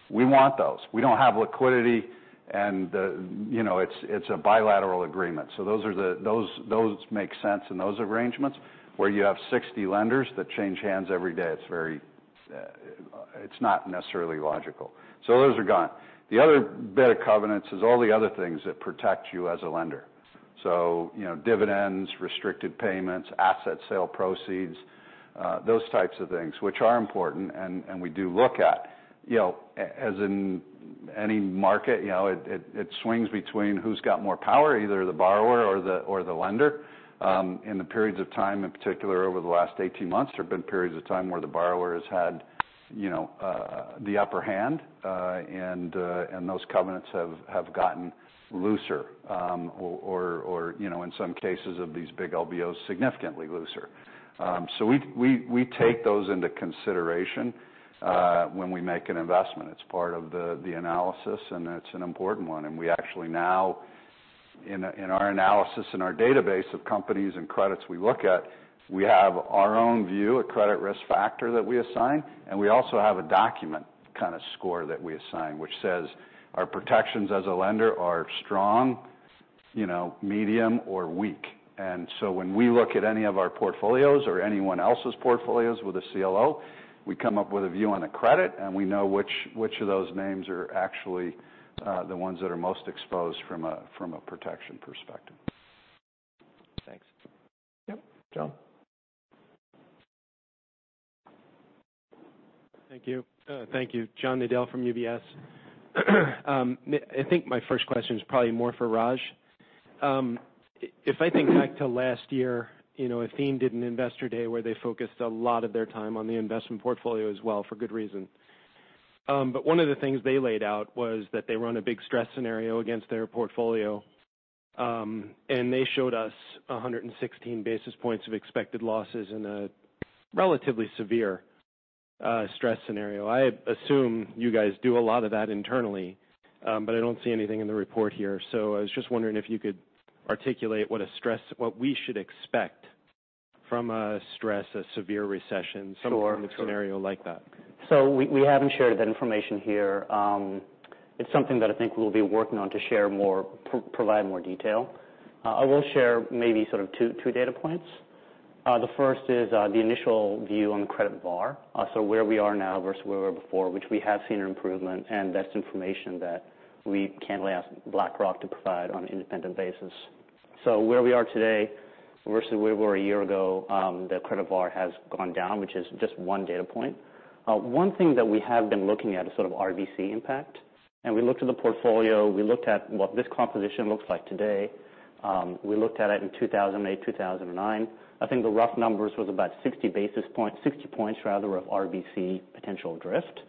we want those. We don't have liquidity, and it's a bilateral agreement. Those make sense in those arrangements. Where you have 60 lenders that change hands every day, it's not necessarily logical. Those are gone. The other bit of covenants is all the other things that protect you as a lender. Dividends, restricted payments, asset sale proceeds, those types of things, which are important and we do look at. As in any market, it swings between who's got more power, either the borrower or the lender. In the periods of time, in particular over the last 18 months, there have been periods of time where the borrower has had the upper hand, and those covenants have gotten looser. In some cases of these big LBOs, significantly looser. We take those into consideration when we make an investment. It's part of the analysis, and it's an important one. We actually now, in our analysis and our database of companies and credits we look at, we have our own view, a credit risk factor that we assign, and we also have a document score that we assign, which says our protections as a lender are strong, medium, or weak. When we look at any of our portfolios or anyone else's portfolios with a CLO, we come up with a view on a credit, and we know which of those names are actually the ones that are most exposed from a protection perspective. Thanks. Yep. John. Thank you. John Nadel from UBS. I think my first question is probably more for Raj. If I think back to last year, Athene did an investor day where they focused a lot of their time on the investment portfolio as well, for good reason. One of the things they laid out was that they run a big stress scenario against their portfolio. They showed us 116 basis points of expected losses in a relatively severe stress scenario. I assume you guys do a lot of that internally, but I don't see anything in the report here. I was just wondering if you could articulate what we should expect from a stress, a severe recession- Sure some kind of scenario like that. We haven't shared that information here. It's something that I think we'll be working on to share more, provide more detail. I will share maybe sort of two data points. The first is the initial view on the credit VAR, so where we are now versus where we were before, which we have seen an improvement, and that's information that we can ask BlackRock to provide on an independent basis. Where we are today versus where we were a year ago, the credit VAR has gone down, which is just one data point. One thing that we have been looking at is sort of RBC impact. We looked at the portfolio, we looked at what this composition looks like today. We looked at it in 2008, 2009. I think the rough numbers was about 60 basis points, 60 points rather, of RBC potential drift.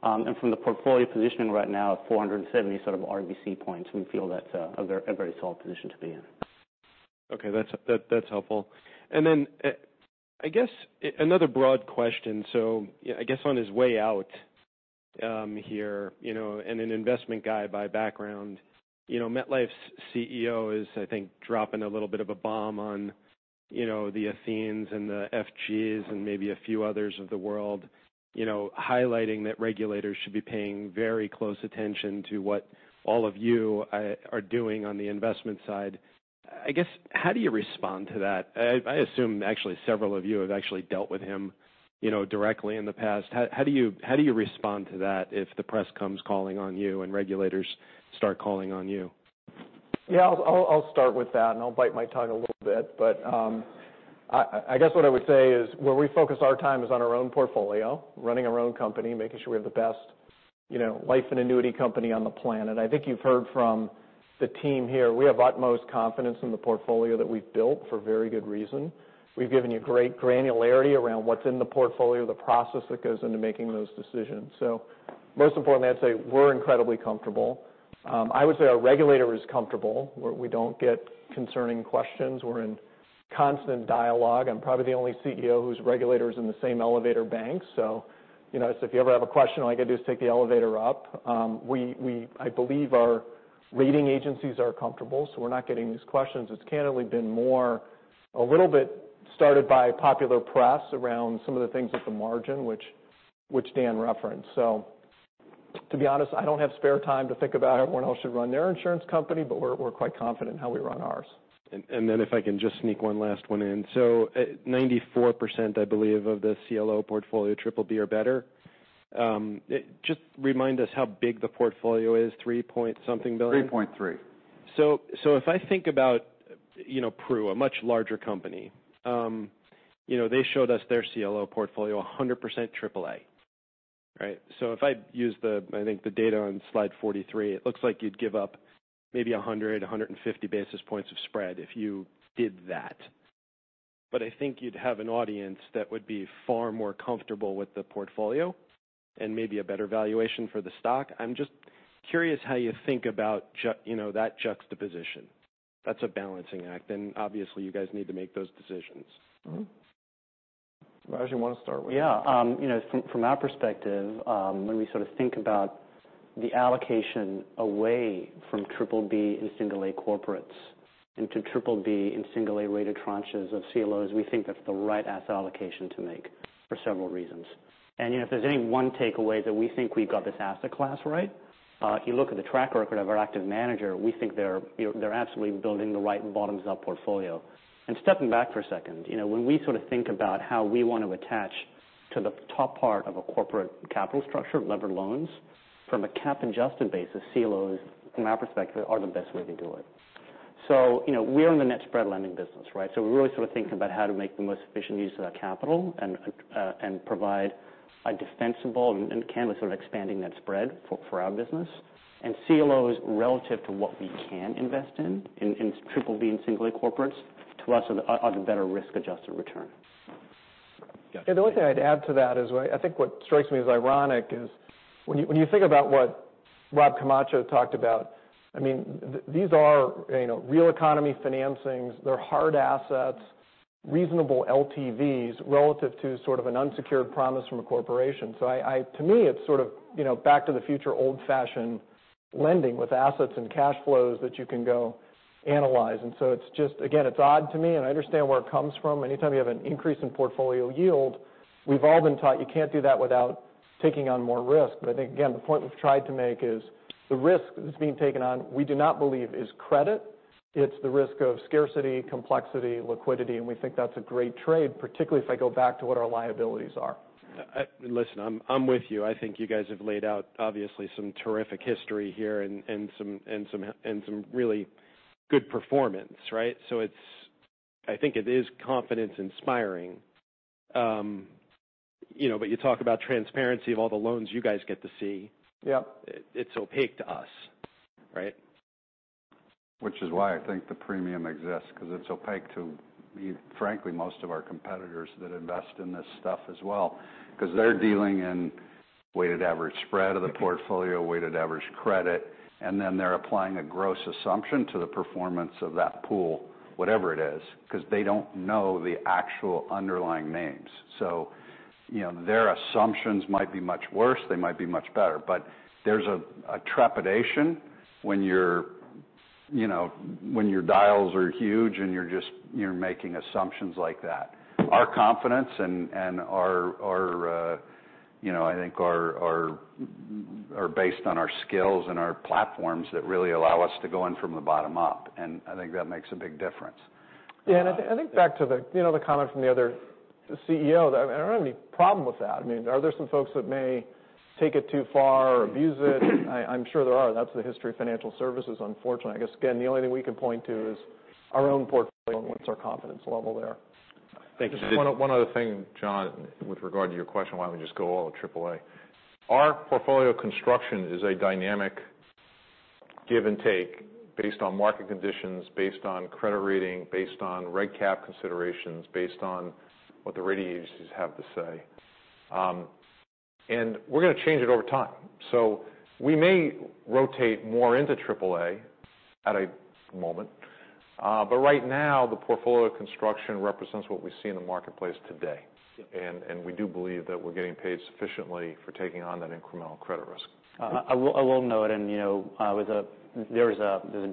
From the portfolio positioning right now at 470 sort of RBC points, we feel that's a very solid position to be in. Okay, that's helpful. I guess another broad question. I guess on his way out here, and an investment guy by background, MetLife's CEO is, I think, dropping a little bit of a bomb on the Athene and the F&Gs and maybe a few others of the world, highlighting that regulators should be paying very close attention to what all of you are doing on the investment side. I guess, how do you respond to that? I assume actually several of you have actually dealt with him directly in the past. How do you respond to that if the press comes calling on you and regulators start calling on you? Yeah, I'll start with that. I'll bite my tongue a little bit. I guess what I would say is where we focus our time is on our own portfolio, running our own company, making sure we have the best life and annuity company on the planet. I think you've heard from the team here. We have utmost confidence in the portfolio that we've built for very good reason. We've given you great granularity around what's in the portfolio, the process that goes into making those decisions. Most importantly, I'd say we're incredibly comfortable. I would say our regulator is comfortable. We don't get concerning questions. We're in constant dialogue. I'm probably the only CEO whose regulator is in the same elevator bank, so if you ever have a question, all I got to do is take the elevator up. I believe our rating agencies are comfortable, we're not getting these questions. It's candidly been more a little bit started by popular press around some of the things at the margin, which Dan referenced. To be honest, I don't have spare time to think about how everyone else should run their insurance company, but we're quite confident in how we run ours. If I can just sneak one last one in. 94%, I believe, of the CLO portfolio, triple B or better. Just remind us how big the portfolio is, $three-point something billion. 3.3. If I think about Pru, a much larger company. They showed us their CLO portfolio, 100% triple A, right? If I use, I think, the data on slide 43, it looks like you'd give up maybe 100 to 150 basis points of spread if you did that. I think you'd have an audience that would be far more comfortable with the portfolio and maybe a better valuation for the stock. I'm just curious how you think about that juxtaposition. That's a balancing act, and obviously, you guys need to make those decisions. Raj, you want to start with that? From our perspective, when we sort of think about the allocation away from triple B and single A corporates into triple B and single A-rated tranches of CLOs, we think that's the right asset allocation to make for several reasons. If there's any one takeaway that we think we've got this asset class right, if you look at the track record of our active manager, we think they're absolutely building the right bottoms-up portfolio. Stepping back for a second, when we sort of think about how we want to attach to the top part of a corporate capital structure, levered loans, from a cap and adjusted basis, CLOs, from our perspective, are the best way to do it. We are in the net spread lending business, right? We really sort of think about how to make the most efficient use of that capital and provide a defensible and expanding net spread for our business. CLOs relative to what we can invest in triple B and single A corporates, to us, are the better risk-adjusted return. The only thing I'd add to that is, I think what strikes me as ironic is when you think about what Rob Camacho talked about, these are real economy financings. They're hard assets, reasonable LTVs relative to sort of an unsecured promise from a corporation. To me, it's sort of back to the future old-fashioned lending with assets and cash flows that you can go analyze. It's just, again, it's odd to me, and I understand where it comes from. Anytime you have an increase in portfolio yield, we've all been taught you can't do that without taking on more risk. I think, again, the point we've tried to make is the risk that's being taken on, we do not believe is credit. It's the risk of scarcity, complexity, liquidity, and we think that's a great trade, particularly if I go back to what our liabilities are. Listen, I'm with you. I think you guys have laid out obviously some terrific history here and some really good performance, right? I think it is confidence-inspiring. You talk about transparency of all the loans you guys get to see. Yeah. It's opaque to us, right? Which is why I think the premium exists because it's opaque to, frankly, most of our competitors that invest in this stuff as well. They're dealing in weighted average spread of the portfolio, weighted average credit, and then they're applying a gross assumption to the performance of that pool, whatever it is, because they don't know the actual underlying names. Their assumptions might be much worse, they might be much better. There's a trepidation when your dials are huge and you're making assumptions like that. Our confidence and I think are based on our skills and our platforms that really allow us to go in from the bottom up, and I think that makes a big difference. Yeah, I think back to the comment from the other CEO, I don't have any problem with that. Are there some folks that may take it too far or abuse it? I'm sure there are. That's the history of financial services, unfortunately. I guess, again, the only thing we can point to is our own portfolio and what's our confidence level there. Thank you. Just one other thing, John, with regard to your question, why don't we just go all Triple A? Our portfolio construction is a dynamic give and take based on market conditions, based on credit rating, based on Regulatory Capital considerations, based on what the rating agencies have to say. We're going to change it over time. We may rotate more into Triple A at a moment. Right now, the portfolio construction represents what we see in the marketplace today. Yeah. We do believe that we're getting paid sufficiently for taking on that incremental credit risk. I will note, and there's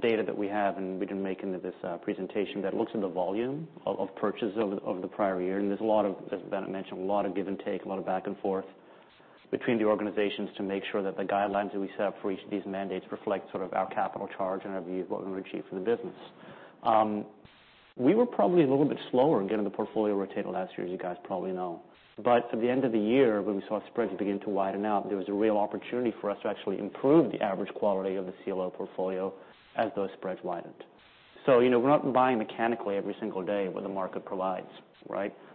data that we have, and we didn't make it into this presentation, that looks at the volume of purchase over the prior year. There's a lot of, as Bennett mentioned, a lot of give and take, a lot of back and forth between the organizations to make sure that the guidelines that we set up for each of these mandates reflect our capital charge and our view of what we achieve for the business. We were probably a little bit slower in getting the portfolio rotated last year, as you guys probably know. At the end of the year, when we saw spreads begin to widen out, there was a real opportunity for us to actually improve the average quality of the CLO portfolio as those spreads widened. We're not buying mechanically every single day what the market provides.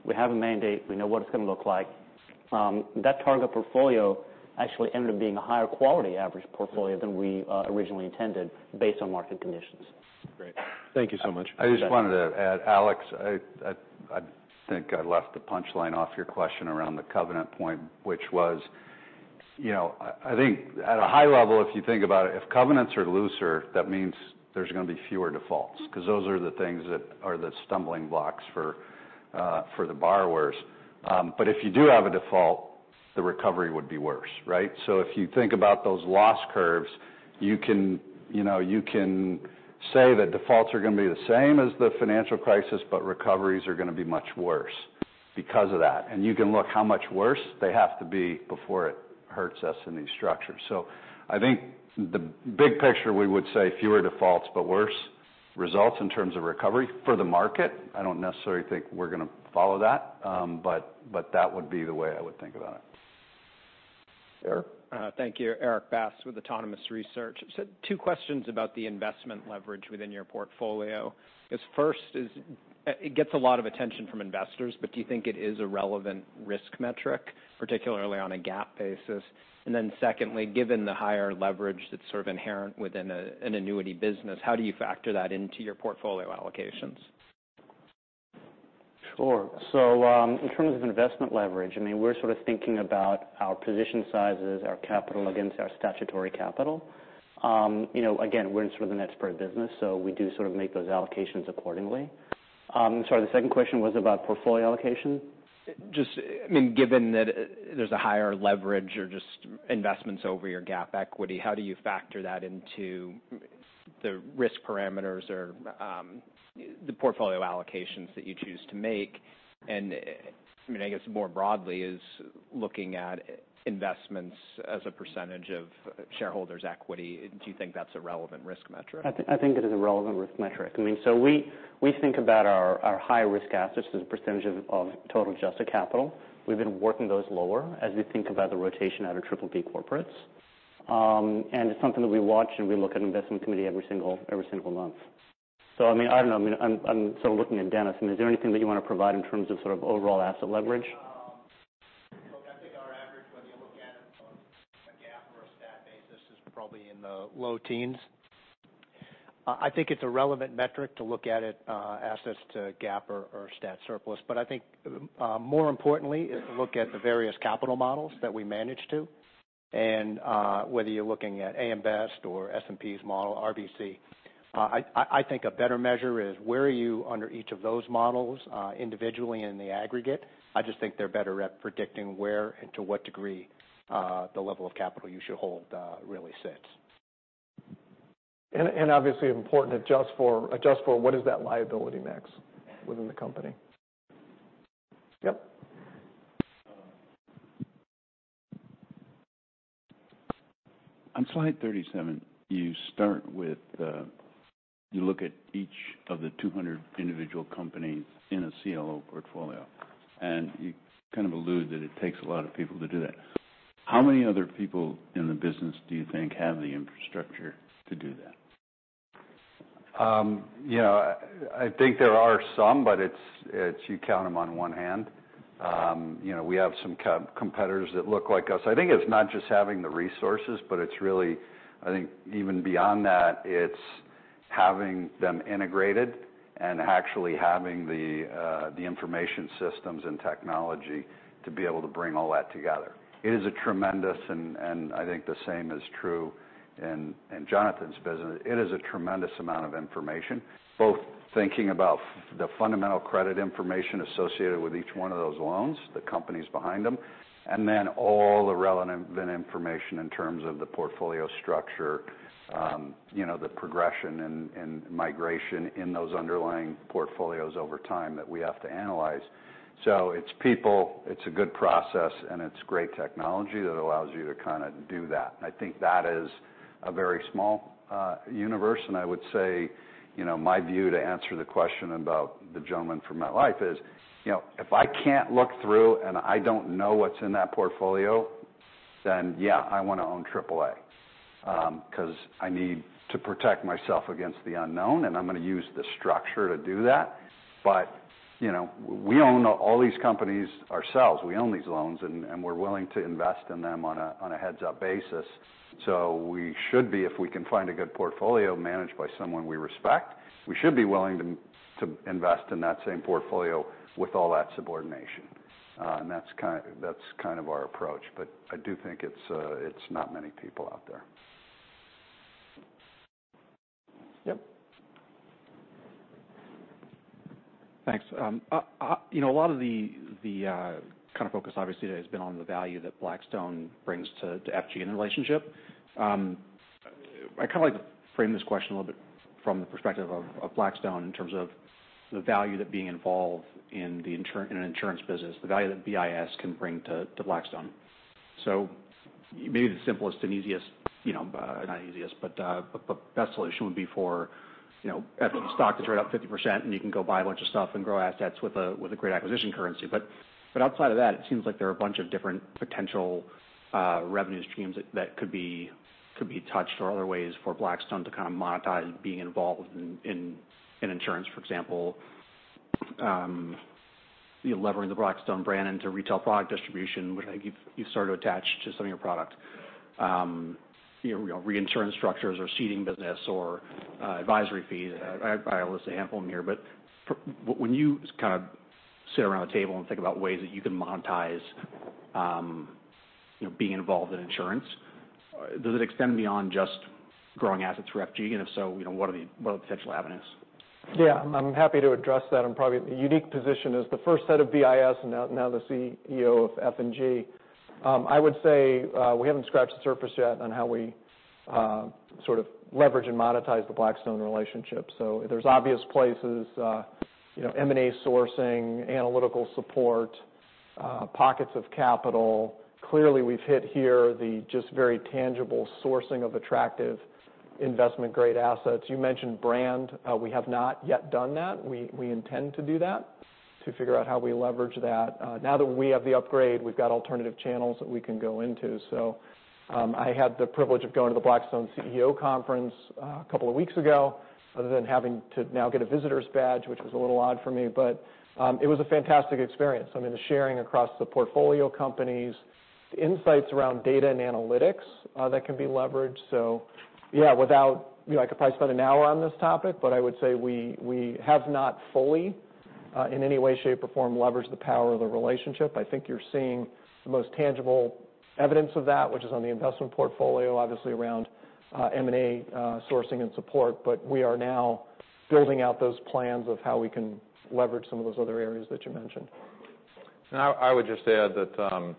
We have a mandate. We know what it's going to look like. That target portfolio actually ended up being a higher quality average portfolio than we originally intended based on market conditions. Great. Thank you so much. I just wanted to add, Alex, I think I left the punchline off your question around the covenant point, which was, I think at a high level, if you think about it, if covenants are looser, that means there's going to be fewer defaults because those are the things that are the stumbling blocks for the borrowers. If you do have a default, the recovery would be worse. If you think about those loss curves, you can say that defaults are going to be the same as the financial crisis, but recoveries are going to be much worse because of that. You can look how much worse they have to be before it hurts us in these structures. I think the big picture, we would say fewer defaults, but worse results in terms of recovery for the market. I don't necessarily think we're going to follow that. That would be the way I would think about it. Erik. Thank you. Erik Bass with Autonomous Research. Two questions about the investment leverage within your portfolio. First, it gets a lot of attention from investors. Do you think it is a relevant risk metric, particularly on a GAAP basis? Secondly, given the higher leverage that's inherent within an annuity business, how do you factor that into your portfolio allocations? Sure. In terms of investment leverage, we're sort of thinking about our position sizes, our capital against our statutory capital. Again, we're in sort of the net spread business. We do make those allocations accordingly. Sorry, the second question was about portfolio allocation? Just given that there's a higher leverage or just investments over your GAAP equity, how do you factor that into the risk parameters or the portfolio allocations that you choose to make? I guess more broadly is looking at investments as a percentage of shareholders' equity. Do you think that's a relevant risk metric? I think it is a relevant risk metric. We think about our high-risk assets as a percentage of total adjusted capital. We've been working those lower as we think about the rotation out of triple B corporates. It's something that we watch and we look at investment committee every single month. I don't know. I'm sort of looking at Dennis. Is there anything that you want to provide in terms of overall asset leverage? Look, I think our average, whether you look at it on a GAAP or a stat basis, is probably in the low teens. I think it's a relevant metric to look at it assets to GAAP or stat surplus. I think more importantly is to look at the various capital models that we manage to. Whether you're looking at AM Best or S&P's model, RBC, I think a better measure is where are you under each of those models individually in the aggregate. I just think they're better at predicting where and to what degree the level of capital you should hold really sits. Obviously important to adjust for what is that liability max within the company. Yep. On slide 37, you look at each of the 200 individual companies in a CLO portfolio, you kind of allude that it takes a lot of people to do that. How many other people in the business do you think have the infrastructure to do that? I think there are some, you count them on one hand. We have some competitors that look like us. I think it's not just having the resources, but it's really, I think even beyond that, it's having them integrated and actually having the information systems and technology to be able to bring all that together. It is a tremendous, and I think the same is true in Jonathan's business. It is a tremendous amount of information, both thinking about the fundamental credit information associated with each one of those loans, the companies behind them, and then all the relevant information in terms of the portfolio structure, the progression, and migration in those underlying portfolios over time that we have to analyze. It's people, it's a good process, and it's great technology that allows you to kind of do that. I think that is a very small universe. I would say my view to answer the question about the gentleman from MetLife is, if I can't look through and I don't know what's in that portfolio, then yeah, I want to own triple A because I need to protect myself against the unknown, and I'm going to use the structure to do that. We own all these companies ourselves. We own these loans, and we're willing to invest in them on a heads-up basis. We should be, if we can find a good portfolio managed by someone we respect, we should be willing to invest in that same portfolio with all that subordination. That's kind of our approach. I do think it's not many people out there. Yep. Thanks. A lot of the focus obviously today has been on the value that Blackstone brings to F&G relationship. I'd like to frame this question a little bit from the perspective of Blackstone in terms of the value that being involved in an insurance business, the value that BIS can bring to Blackstone. Maybe the simplest and easiest, not easiest, but best solution would be for stock to turn up 50% and you can go buy a bunch of stuff and grow assets with a great acquisition currency. Outside of that, it seems like there are a bunch of different potential revenue streams that could be touched, or other ways for Blackstone to monetize being involved in insurance. For example, leveraging the Blackstone brand into retail product distribution, which I think you've started to attach to some of your product. Reinsurance structures or ceding business or advisory fees. I list a handful in here. When you sit around the table and think about ways that you can monetize being involved in insurance, does it extend beyond just growing assets through F&G? If so, what are the potential avenues? I'm happy to address that. I'm probably in the unique position as the first head of BIS and now the CEO of F&G. I would say we haven't scratched the surface yet on how we leverage and monetize the Blackstone relationship. There's obvious places, M&A sourcing, analytical support, pockets of capital. Clearly, we've hit here the just very tangible sourcing of attractive investment-grade assets. You mentioned brand. We have not yet done that. We intend to do that to figure out how we leverage that. Now that we have the upgrade, we've got alternative channels that we can go into. I had the privilege of going to the Blackstone CEO conference a couple of weeks ago, other than having to now get a visitor's badge, which was a little odd for me, but it was a fantastic experience. I mean, the sharing across the portfolio companies, insights around data and analytics that can be leveraged. Yeah, I could probably spend an hour on this topic, I would say we have not fully, in any way, shape, or form, leveraged the power of the relationship. I think you're seeing the most tangible evidence of that, which is on the investment portfolio, obviously around M&A sourcing and support. We are now building out those plans of how we can leverage some of those other areas that you mentioned. I would just add that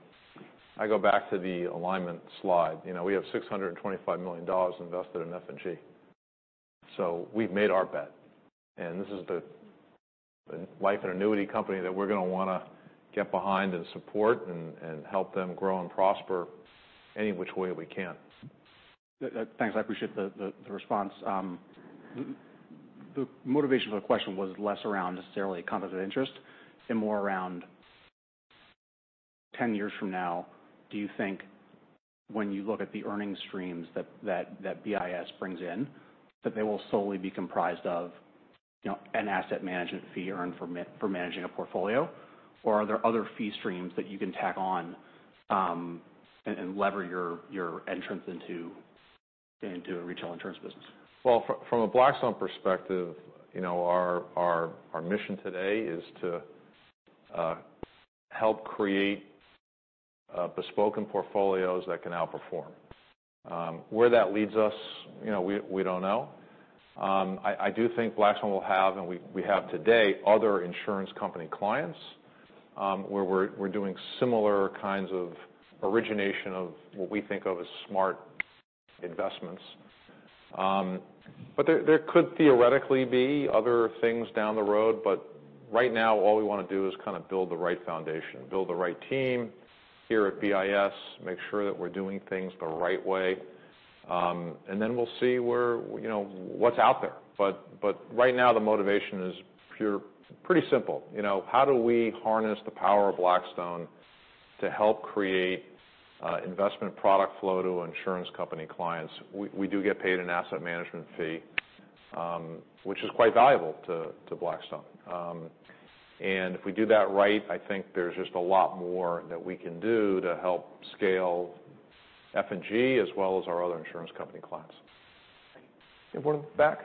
I go back to the alignment slide. We have $625 million invested in F&G. We've made our bet, this is the life and annuity company that we're going to want to get behind and support and help them grow and prosper any which way we can. Thanks. I appreciate the response. The motivation for the question was less around necessarily a conflict of interest and more around 10 years from now, do you think when you look at the earning streams that BIS brings in, that they will solely be comprised of an asset management fee earned for managing a portfolio, or are there other fee streams that you can tack on and lever your entrance into a retail insurance business? Well, from a Blackstone perspective, our mission today is to help create bespoke portfolios that can outperform. Where that leads us, we don't know. I do think Blackstone will have, and we have today, other insurance company clients, where we're doing similar kinds of origination of what we think of as smart investments. There could theoretically be other things down the road, right now, all we want to do is build the right foundation, build the right team here at BIS, make sure that we're doing things the right way, we'll see what's out there. Right now, the motivation is pretty simple. How do we harness the power of Blackstone to help create investment product flow to insurance company clients? We do get paid an asset management fee, which is quite valuable to Blackstone. If we do that right, I think there's just a lot more that we can do to help scale F&G as well as our other insurance company clients. We have one in the back.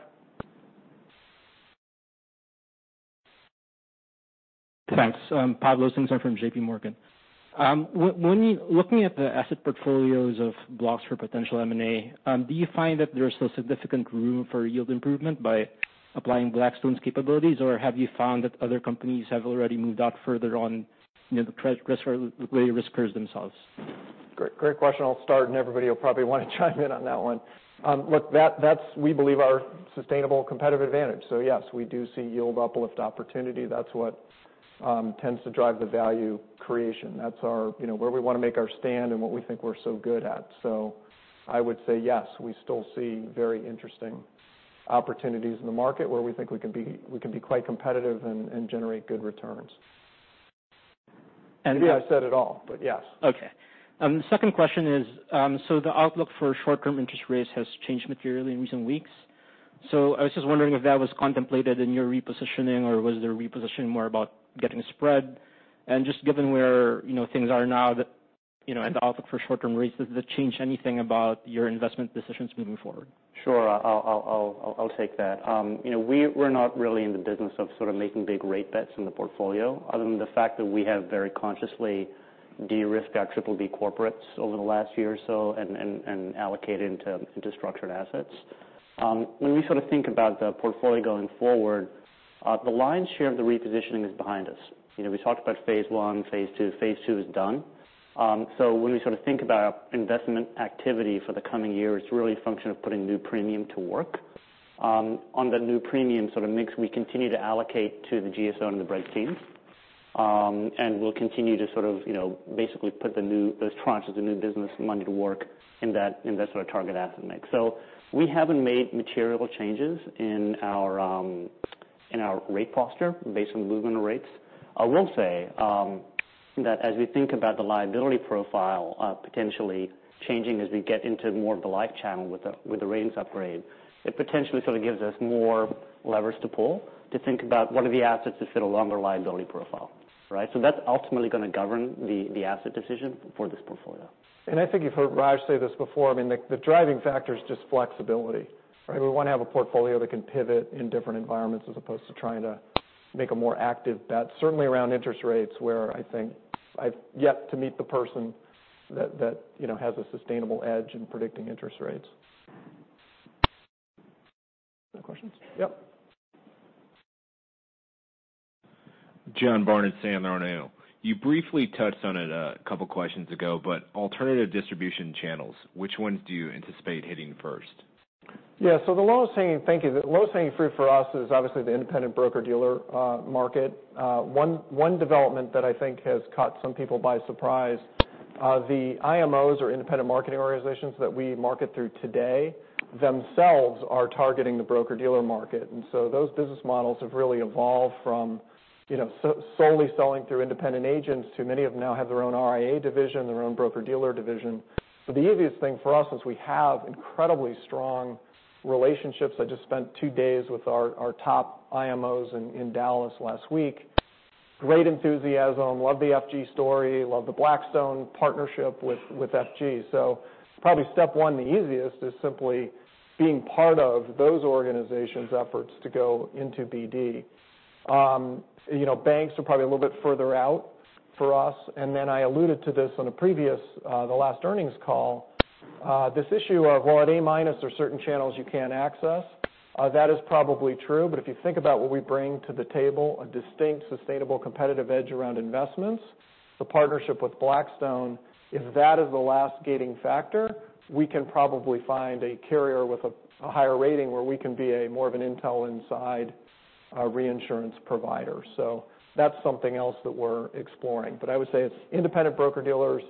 Thanks. P.D. Singh here from JP Morgan. Looking at the asset portfolios of blocks for potential M&A, do you find that there is still significant room for yield improvement by applying Blackstone's capabilities, or have you found that other companies have already moved out further on the risk curves themselves? Great question. I'll start, and everybody will probably want to chime in on that one. Look, that's, we believe, our sustainable competitive advantage. Yes, we do see yield uplift opportunity. That's what tends to drive the value creation. That's where we want to make our stand and what we think we're so good at. I would say yes, we still see very interesting opportunities in the market where we think we can be quite competitive and generate good returns. Maybe I said it all, but yes. The second question is, the outlook for short-term interest rates has changed materially in recent weeks. I was just wondering if that was contemplated in your repositioning or was the repositioning more about getting spread? Just given where things are now and the outlook for short-term rates, does this change anything about your investment decisions moving forward? Sure. I'll take that. We're not really in the business of sort of making big rate bets in the portfolio, other than the fact that we have very consciously de-risked our BBB corporates over the last year or so and allocated into structured assets. When we think about the portfolio going forward, the lion's share of the repositioning is behind us. We talked about phase one, phase two. Phase two is done. When we think about investment activity for the coming year, it's really a function of putting new premium to work. On the new premium mix, we continue to allocate to the GSO and the BREDS team. We'll continue to basically put those tranches of new business money to work in that sort of target asset mix. We haven't made material changes in our rate posture based on movement of rates. I will say that as we think about the liability profile potentially changing as we get into more of the life channel with the ratings upgrade, it potentially gives us more leverage to pull to think about what are the assets that fit along the liability profile. Right? That's ultimately going to govern the asset decision for this portfolio. I think you've heard Raj say this before, the driving factor is just flexibility. Right? We want to have a portfolio that can pivot in different environments as opposed to trying to make a more active bet, certainly around interest rates, where I think I've yet to meet the person that has a sustainable edge in predicting interest rates. No questions? Yep. John Barnidge, Sandler O'Neill. You briefly touched on it a couple of questions ago, alternative distribution channels, which ones do you anticipate hitting first? Yeah. Thank you. The lowest hanging fruit for us is obviously the independent broker-dealer market. One development that I think has caught some people by surprise, the IMOs or independent marketing organizations that we market through today, themselves are targeting the broker-dealer market. Those business models have really evolved from solely selling through independent agents to many of them now have their own RIA division, their own broker-dealer division. The easiest thing for us is we have incredibly strong relationships. I just spent two days with our top IMOs in Dallas last week. Great enthusiasm, love the F&G story, love the Blackstone partnership with F&G. Probably step one, the easiest is simply being part of those organizations' efforts to go into BD. Banks are probably a little bit further out for us, then I alluded to this on a previous, the last earnings call. This issue of, well, at A- there are certain channels you can't access. That is probably true, if you think about what we bring to the table, a distinct, sustainable, competitive edge around investments, the partnership with Blackstone, if that is the last gating factor, we can probably find a carrier with a higher rating where we can be more of an Intel Inside reinsurance provider. That's something else that we're exploring. I would say it's independent broker-dealers,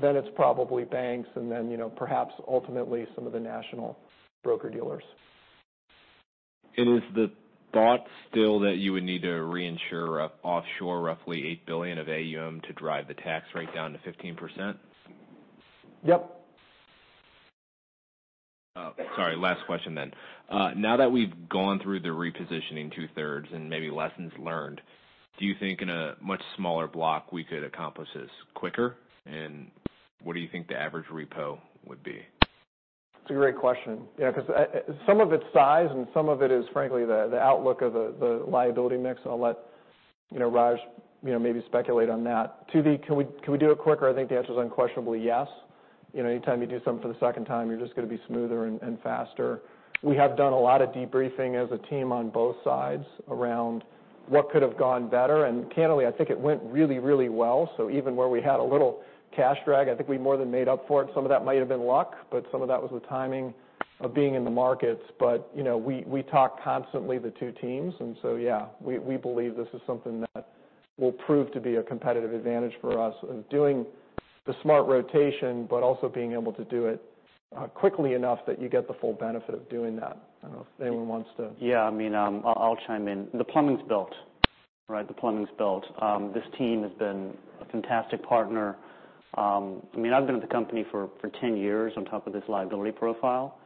then it's probably banks, then perhaps ultimately some of the national broker-dealers. Is the thought still that you would need to reinsure offshore roughly $8 billion of AUM to drive the tax rate down to 15%? Yep. Oh, sorry. Last question. Now that we've gone through the repositioning two-thirds and maybe lessons learned, do you think in a much smaller block we could accomplish this quicker? What do you think the average repo would be? It's a great question. Some of it's size and some of it is frankly the outlook of the liability mix, I'll let Raj maybe speculate on that. Can we do it quicker? I think the answer is unquestionably yes. Anytime you do something for the second time, you're just going to be smoother and faster. We have done a lot of debriefing as a team on both sides around what could have gone better, candidly, I think it went really, really well. Even where we had a little cash drag, I think we more than made up for it. Some of that might've been luck, some of that was the timing of being in the markets. We talk constantly, the two teams, we believe this is something that will prove to be a competitive advantage for us of doing the smart rotation, also being able to do it quickly enough that you get the full benefit of doing that. I don't know if anyone wants to. Yeah, I'll chime in. The plumbing's built. Right? The plumbing's built. This team has been a fantastic partner. I've been at the company for 10 years on top of this liability profile.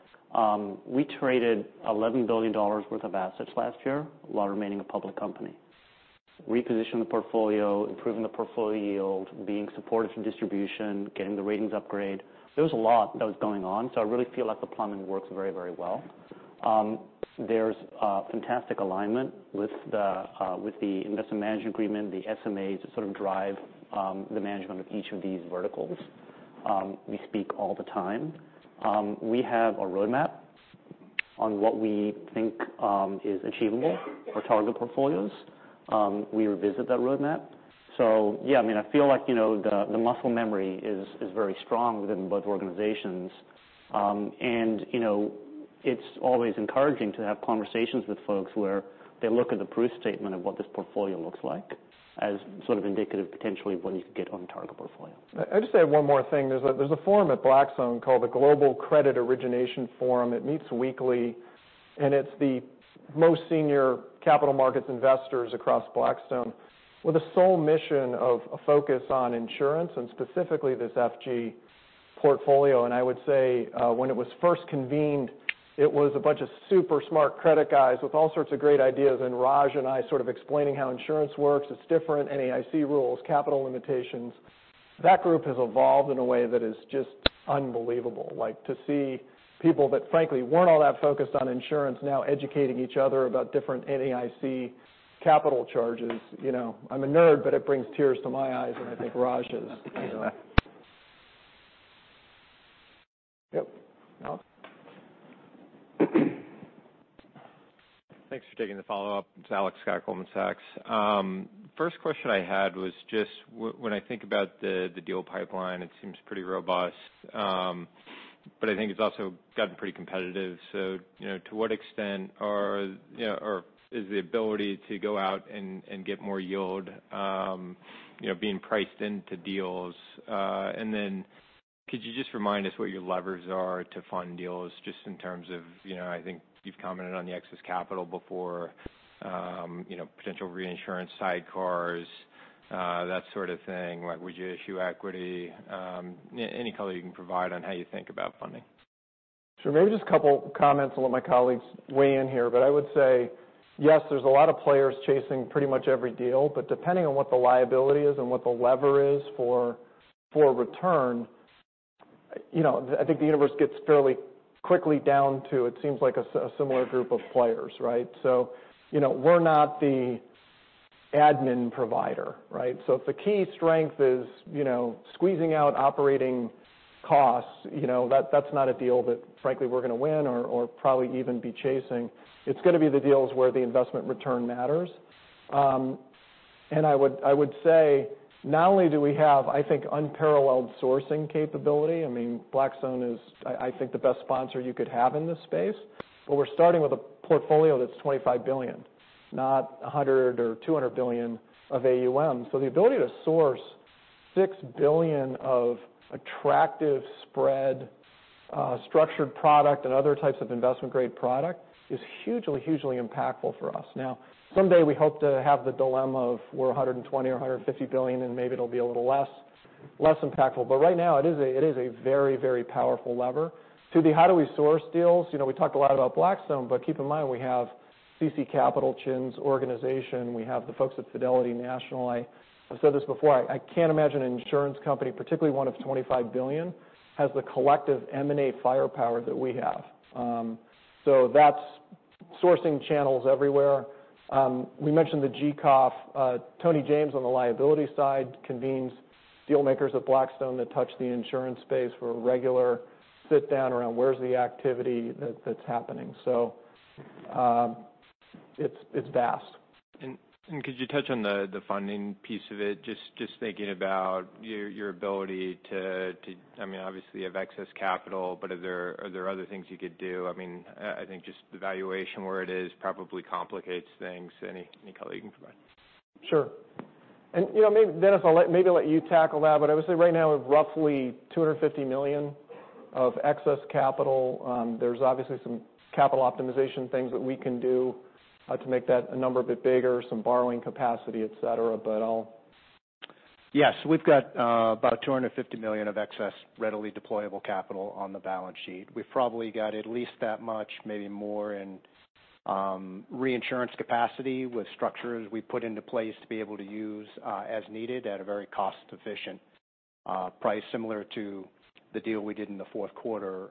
We traded $11 billion worth of assets last year while remaining a public company. Repositioned the portfolio, improving the portfolio yield, being supported from distribution, getting the ratings upgrade. There was a lot that was going on, I really feel like the plumbing works very, very well. There's a fantastic alignment with the investment management agreement, the SMAs that sort of drive the management of each of these verticals. We speak all the time. We have a roadmap on what we think is achievable for target portfolios. We revisit that roadmap. Yeah, I feel like the muscle memory is very strong within both organizations. It's always encouraging to have conversations with folks where they look at the proof statement of what this portfolio looks like as indicative potentially of what you could get on the target portfolio. I'll just say one more thing. There's a forum at Blackstone called the Global Credit Origination Forum that meets weekly, and it's the most senior capital markets investors across Blackstone with a sole mission of a focus on insurance and specifically this F&G portfolio. I would say when it was first convened, it was a bunch of super smart credit guys with all sorts of great ideas and Raj and I sort of explaining how insurance works, it's different, NAIC rules, capital limitations. That group has evolved in a way that is just unbelievable. To see people that frankly weren't all that focused on insurance now educating each other about different NAIC capital charges. I'm a nerd, but it brings tears to my eyes, and I think Raj's. Yep. Alex. Thanks for taking the follow-up. It's Alex Scott, Goldman Sachs. First question I had was just, when I think about the deal pipeline, it seems pretty robust. I think it's also gotten pretty competitive. To what extent is the ability to go out and get more yield being priced into deals? Could you just remind us what your levers are to fund deals, just in terms of, I think you've commented on the excess capital before, potential reinsurance sidecars, that sort of thing. Would you issue equity? Any color you can provide on how you think about funding. Sure. Maybe just a couple comments. I'll let my colleagues weigh in here. I would say, yes, there's a lot of players chasing pretty much every deal, but depending on what the liability is and what the lever is for return, I think the universe gets fairly quickly down to, it seems like, a similar group of players, right? We're not the admin provider, right? If the key strength is squeezing out operating costs, that's not a deal that frankly we're going to win or probably even be chasing. It's going to be the deals where the investment return matters. I would say, not only do we have, I think, unparalleled sourcing capability, Blackstone is, I think, the best sponsor you could have in this space, but we're starting with a portfolio that's $25 billion, not $100 or $200 billion of AUM. The ability to source $6 billion of attractive spread, structured product, and other types of investment-grade product is hugely impactful for us. Someday we hope to have the dilemma of we're $120 or $150 billion, and maybe it'll be a little less impactful. Right now, it is a very, very powerful lever. To the how do we source deals? We talked a lot about Blackstone, but keep in mind, we have CC Capital, Chin's organization. We have the folks at Fidelity National. I've said this before, I can't imagine an insurance company, particularly one of $25 billion, has the collective M&A firepower that we have. That's sourcing channels everywhere. We mentioned the GCOF. Tony James on the liability side convenes dealmakers with Blackstone that touch the insurance space for a regular sit-down around where's the activity that's happening. It's vast. Could you touch on the funding piece of it? Just thinking about your ability to. Obviously, you have excess capital. Are there other things you could do? I think just the valuation where it is probably complicates things. Any color you can provide. Sure. Dennis, maybe I'll let you tackle that. I would say right now, we have roughly $250 million of excess capital. There's obviously some capital optimization things that we can do to make that number a bit bigger, some borrowing capacity, et cetera. We've got about $250 million of excess readily deployable capital on the balance sheet. We've probably got at least that much, maybe more in reinsurance capacity with structures we put into place to be able to use as needed at a very cost-efficient price, similar to the deal we did in the fourth quarter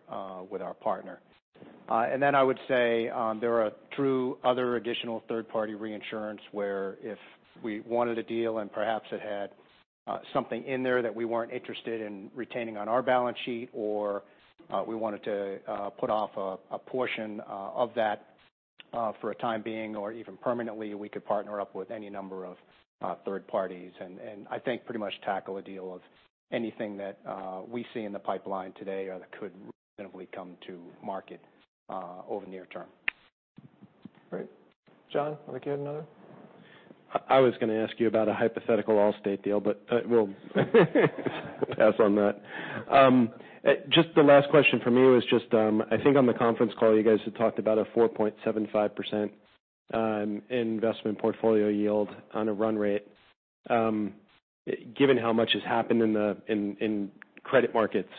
with our partner. I would say there are true other additional third-party reinsurance where if we wanted a deal and perhaps it had something in there that we weren't interested in retaining on our balance sheet, or we wanted to put off a portion of that for a time being or even permanently, we could partner up with any number of third parties and I think pretty much tackle a deal of anything that we see in the pipeline today or that could reasonably come to market over near term. Great. John, I think you had another? I was going to ask you about a hypothetical Allstate deal. We'll pass on that. The last question from me was, I think on the conference call, you guys had talked about a 4.75% investment portfolio yield on a run rate. Given how much has happened in credit markets,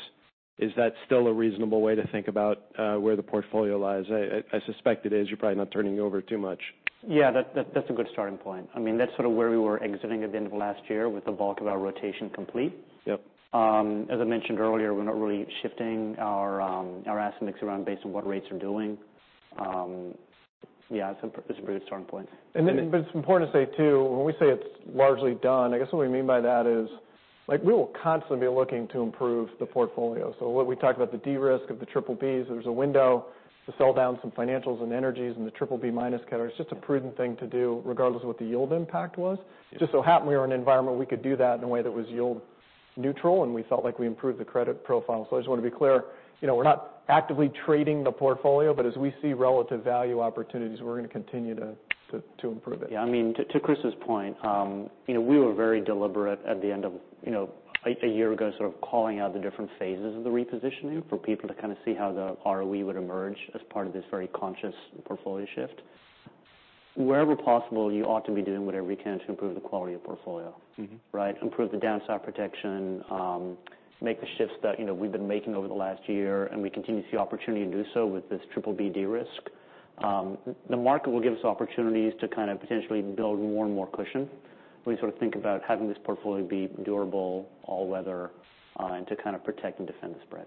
is that still a reasonable way to think about where the portfolio lies? I suspect it is. You're probably not turning over too much. Yeah, that's a good starting point. That's sort of where we were exiting at the end of last year with the bulk of our rotation complete. Yep. As I mentioned earlier, we're not really shifting our asset mix around based on what rates are doing. Yeah, it's a pretty good starting point. It's important to say, too, when we say it's largely done, I guess what we mean by that is we will constantly be looking to improve the portfolio. What we talked about the de-risk of the triple Bs, there was a window to sell down some financials and energies in the BBB- category. It's just a prudent thing to do, regardless of what the yield impact was. It just so happened we were in an environment we could do that in a way that was yield neutral, and we felt like we improved the credit profile. I just want to be clear, we're not actively trading the portfolio, but as we see relative value opportunities, we're going to continue to improve it. Yeah. To Chris's point, we were very deliberate at the end of a year ago, sort of calling out the different phases of the repositioning for people to kind of see how the ROE would emerge as part of this very conscious portfolio shift. Wherever possible, you ought to be doing whatever you can to improve the quality of portfolio. Right. Improve the downside protection, make the shifts that we've been making over the last year, we continue to see opportunity to do so with this BBB de-risk. The market will give us opportunities to potentially build more and more cushion. We sort of think about having this portfolio be durable all weather, to kind of protect and defend the spread.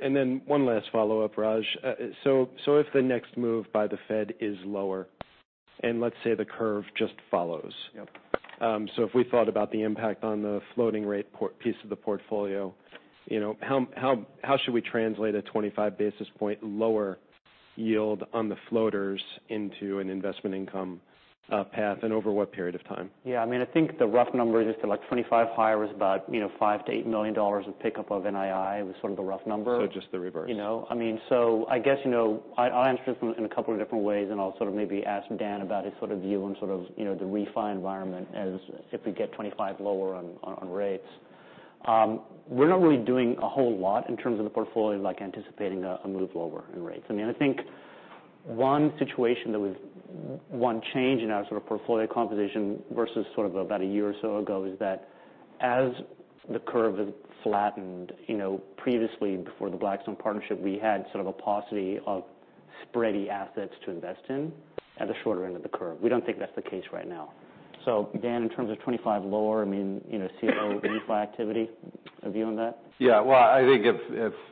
Then one last follow-up, Raj. If the next move by the Fed is lower let's say the curve just follows. Yep. If we thought about the impact on the floating rate piece of the portfolio, how should we translate a 25 basis point lower yield on the floaters into an investment income path, and over what period of time? I think the rough number is just that 25 higher is about $5 million-$8 million of pickup of NII was sort of the rough number. Just the reverse. I guess I'll answer this in a couple of different ways, and I'll sort of maybe ask Dan about his view on the refi environment as if we get 25 lower on rates. We're not really doing a whole lot in terms of the portfolio, like anticipating a move lower in rates. I think one situation that one change in our sort of portfolio composition versus sort of about a year or so ago is that as the curve has flattened, previously before the Blackstone partnership, we had sort of a paucity of spready assets to invest in at the shorter end of the curve. We don't think that's the case right now. Dan, in terms of 25 lower, CLO refi activity, a view on that? Well, I think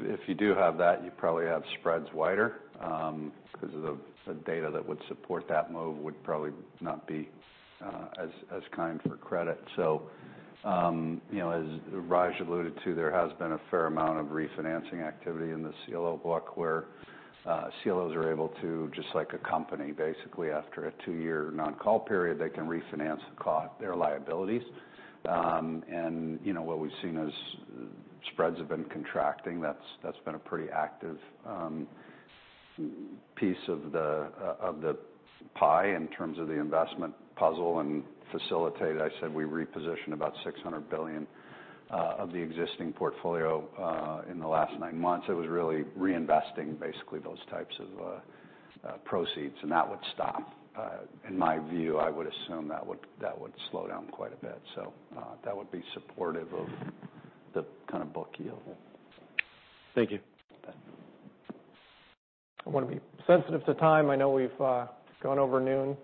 if you do have that, you probably have spreads wider, because the data that would support that move would probably not be as kind for credit. As Raj alluded to, there has been a fair amount of refinancing activity in the CLO block where CLOs are able to, just like a company, basically, after a two-year non-call period, they can refinance their liabilities. What we've seen as spreads have been contracting, that's been a pretty active piece of the pie in terms of the investment puzzle and facilitate. I said we repositioned about $600 million of the existing portfolio in the last nine months. It was really reinvesting, basically, those types of proceeds. That would stop. In my view, I would assume that would slow down quite a bit. That would be supportive of the kind of book yield. Thank you. Okay. I want to be sensitive to time. I know we've gone over noon.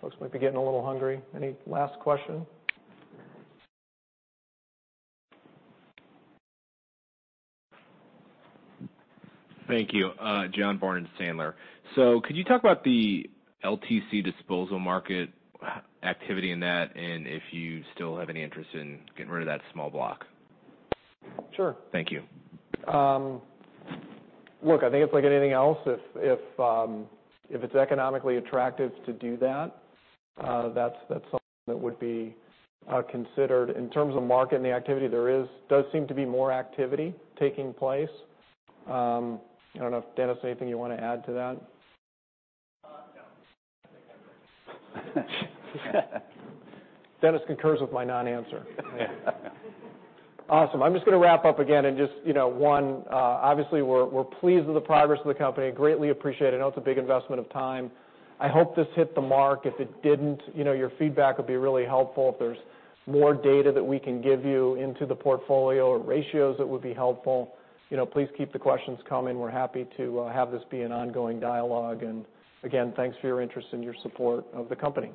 Folks might be getting a little hungry. Any last question? Thank you. John Barnidge, Piper Sandler. Could you talk about the LTC disposal market activity in that, and if you still have any interest in getting rid of that small block? Sure. Thank you. Look, I think it's like anything else. If it's economically attractive to do that's something that would be considered. In terms of marketing the activity, there does seem to be more activity taking place. I don't know if Dennis, anything you want to add to that? No. I think I'm good. Dennis concurs with my non-answer. Awesome. I'm just going to wrap up again and just, one, obviously we're pleased with the progress of the company. Greatly appreciate it. I know it's a big investment of time. I hope this hit the mark. If it didn't, your feedback would be really helpful. If there's more data that we can give you into the portfolio or ratios that would be helpful, please keep the questions coming. We're happy to have this be an ongoing dialogue. Again, thanks for your interest and your support of the company.